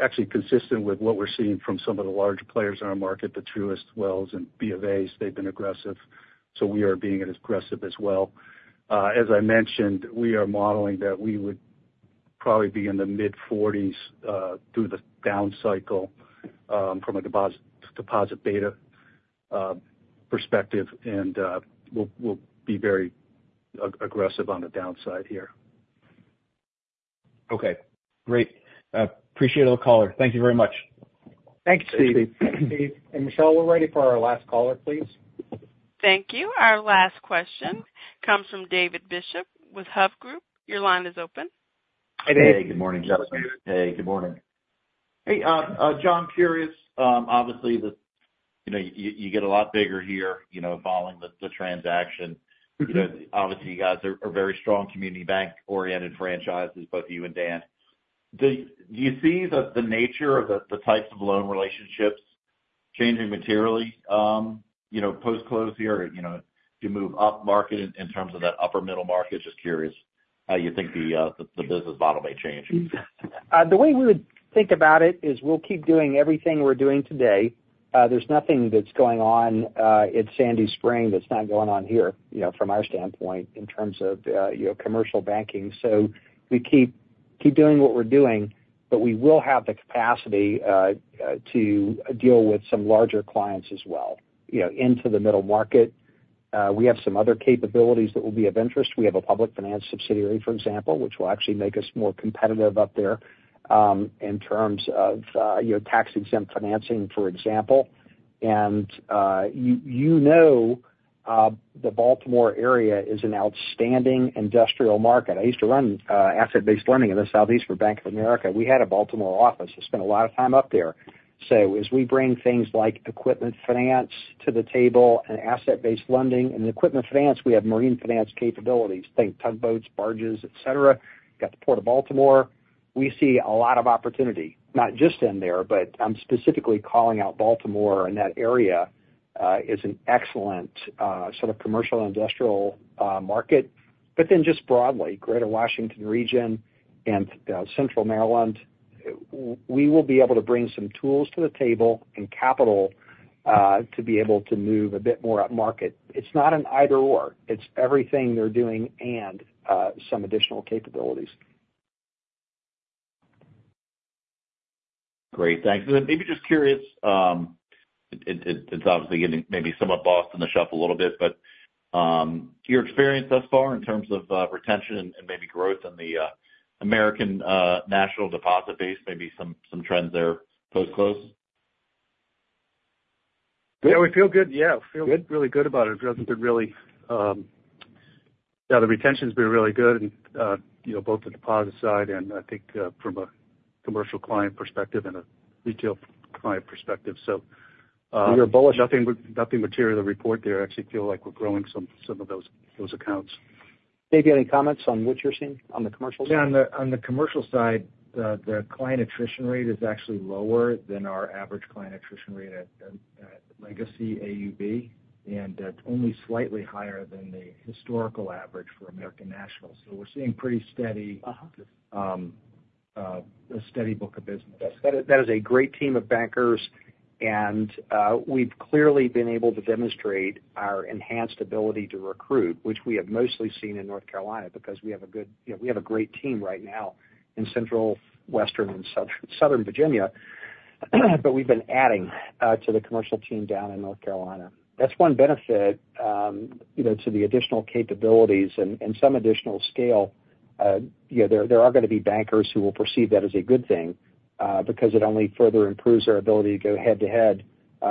Actually consistent with what we're seeing from some of the larger players in our market, the Truists, Wells, and B of As, they've been aggressive, so we are being as aggressive as well. As I mentioned, we are modeling that we would probably be in the mid-forties through the down cycle from a deposit beta perspective, and we'll be very aggressive on the downside here. Okay, great. Appreciate it, caller. Thank you very much. Thanks, Steve. Thanks, Steve. Michelle, we're ready for our last caller, please. Thank you. Our last question comes from David Bishop with Hovde Group. Your line is open. Hey, good morning, gentlemen. Hey, good morning Hey, John, curious, obviously, the, you know, you get a lot bigger here, you know, following the transaction. Mm-hmm. You know, obviously, you guys are very strong community bank-oriented franchises, both you and Dan. Do you see the nature of the types of loan relationships changing materially, you know, post-close here? You know, do you move up market in terms of that upper middle market? Just curious how you think the business model may change. The way we would think about it is we'll keep doing everything we're doing today. There's nothing that's going on at Sandy Spring that's not going on here, you know, from our standpoint, in terms of you know, commercial banking. So we keep doing what we're doing, but we will have the capacity to deal with some larger clients as well, you know, into the middle market. We have some other capabilities that will be of interest. We have a public finance subsidiary, for example, which will actually make us more competitive up there in terms of you know, tax-exempt financing, for example. You know, the Baltimore area is an outstanding industrial market. I used to run asset-based lending in the Southeast for Bank of America. We had a Baltimore office. I spent a lot of time up there. So as we bring things like equipment finance to the table and asset-based lending, and equipment finance, we have marine finance capabilities, think tugboats, barges, et cetera. Got the Port of Baltimore. We see a lot of opportunity, not just in there, but I'm specifically calling out Baltimore and that area is an excellent sort of commercial and industrial market. But then just broadly, Greater Washington region and Central Maryland, we will be able to bring some tools to the table and capital to be able to move a bit more upmarket. It's not an either/or. It's everything they're doing and some additional capabilities. Great, thanks. And then maybe just curious, it's obviously getting maybe somewhat lost in the shuffle a little bit, but, your experience thus far in terms of, retention and maybe growth in the American National deposit base, maybe some trends there post-close? Yeah, we feel good. Yeah, feel really good about it. It doesn't get really. Yeah, the retention's been really good and, you know, both the deposit side and I think, from a commercial client perspective and a retail client perspective. So, We are bullish. Nothing material to report there. I actually feel like we're growing some of those accounts. Dave, you have any comments on what you're seeing on the commercial side? Yeah, on the commercial side, the client attrition rate is actually lower than our average client attrition rate at legacy AUB, and only slightly higher than the historical average for American National. So we're seeing pretty steady- Uh-huh. A steady book of business. That is, that is a great team of bankers, and we've clearly been able to demonstrate our enhanced ability to recruit, which we have mostly seen in North Carolina, because we have a good—you know, we have a great team right now in Central, Western, and Southern Virginia, but we've been adding to the commercial team down in North Carolina. That's one benefit, you know, to the additional capabilities and some additional scale. You know, there are gonna be bankers who will perceive that as a good thing, because it only further improves their ability to go head-to-head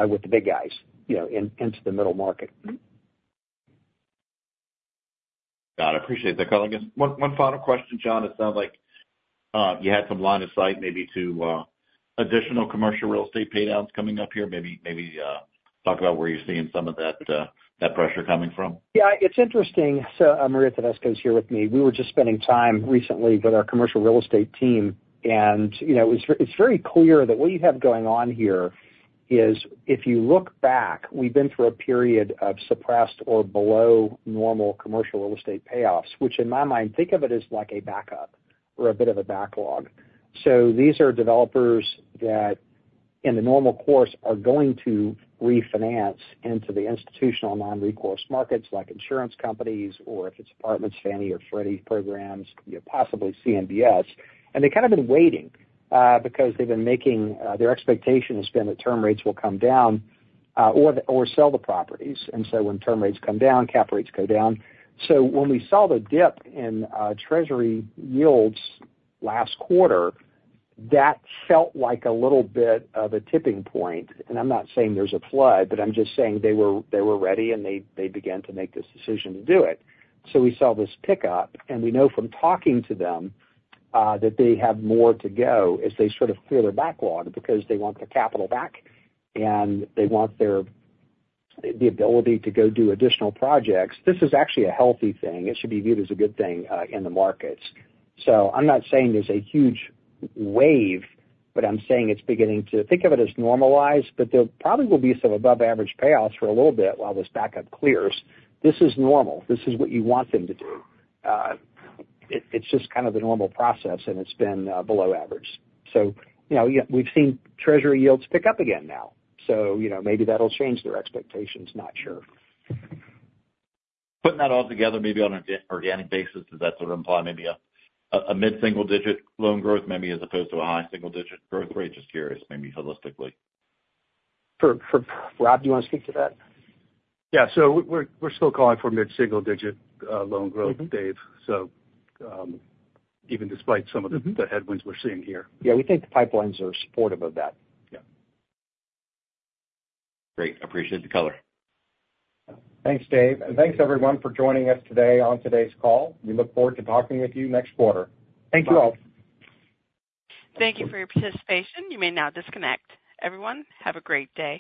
with the big guys, you know, into the middle market. Got it. I appreciate that, colleagues. One final question, John. It sounds like you had some line of sight maybe to additional commercial real estate paydowns coming up here. Maybe talk about where you're seeing some of that pressure coming from. Yeah, it's interesting. So, Maria Tedesco is here with me. We were just spending time recently with our commercial real estate team, and, you know, it's very clear that what you have going on here is, if you look back, we've been through a period of suppressed or below normal commercial real estate payoffs, which in my mind, think of it as like a backup or a bit of a backlog. So these are developers that, in the normal course, are going to refinance into the institutional non-recourse markets, like insurance companies, or if it's apartments, Fannie or Freddie programs, you know, possibly CMBS. And they've kind of been waiting, because they've been making... Their expectation has been that term rates will come down, or sell the properties. And so when term rates come down, cap rates go down. So when we saw the dip in Treasury yields last quarter, that felt like a little bit of a tipping point. And I'm not saying there's a flood, but I'm just saying they were ready, and they began to make this decision to do it. So we saw this pickup, and we know from talking to them that they have more to go as they sort of clear their backlog, because they want the capital back, and they want the ability to go do additional projects. This is actually a healthy thing. It should be viewed as a good thing in the markets. So I'm not saying there's a huge wave, but I'm saying it's beginning to think of it as normalized, but there probably will be some above-average payoffs for a little bit while this backup clears. This is normal. This is what you want them to do. It's just kind of the normal process, and it's been below average, so you know, yeah, we've seen treasury yields pick up again now, so you know, maybe that'll change their expectations, not sure. Putting that all together, maybe on an organic basis, does that sort of imply maybe a mid-single-digit loan growth maybe, as opposed to a high single-digit growth rate? Just curious, maybe holistically. Rob, do you want to speak to that? Yeah, so we're still calling for mid-single digit loan growth- Mm-hmm. Dave. So, even despite some of the- Mm-hmm... the headwinds we're seeing here. Yeah, we think the pipelines are supportive of that. Yeah. Great. Appreciate the color. Thanks, Dave, and thanks, everyone, for joining us today on today's call. We look forward to talking with you next quarter. Thank you all. Thank you for your participation. You may now disconnect. Everyone, have a great day.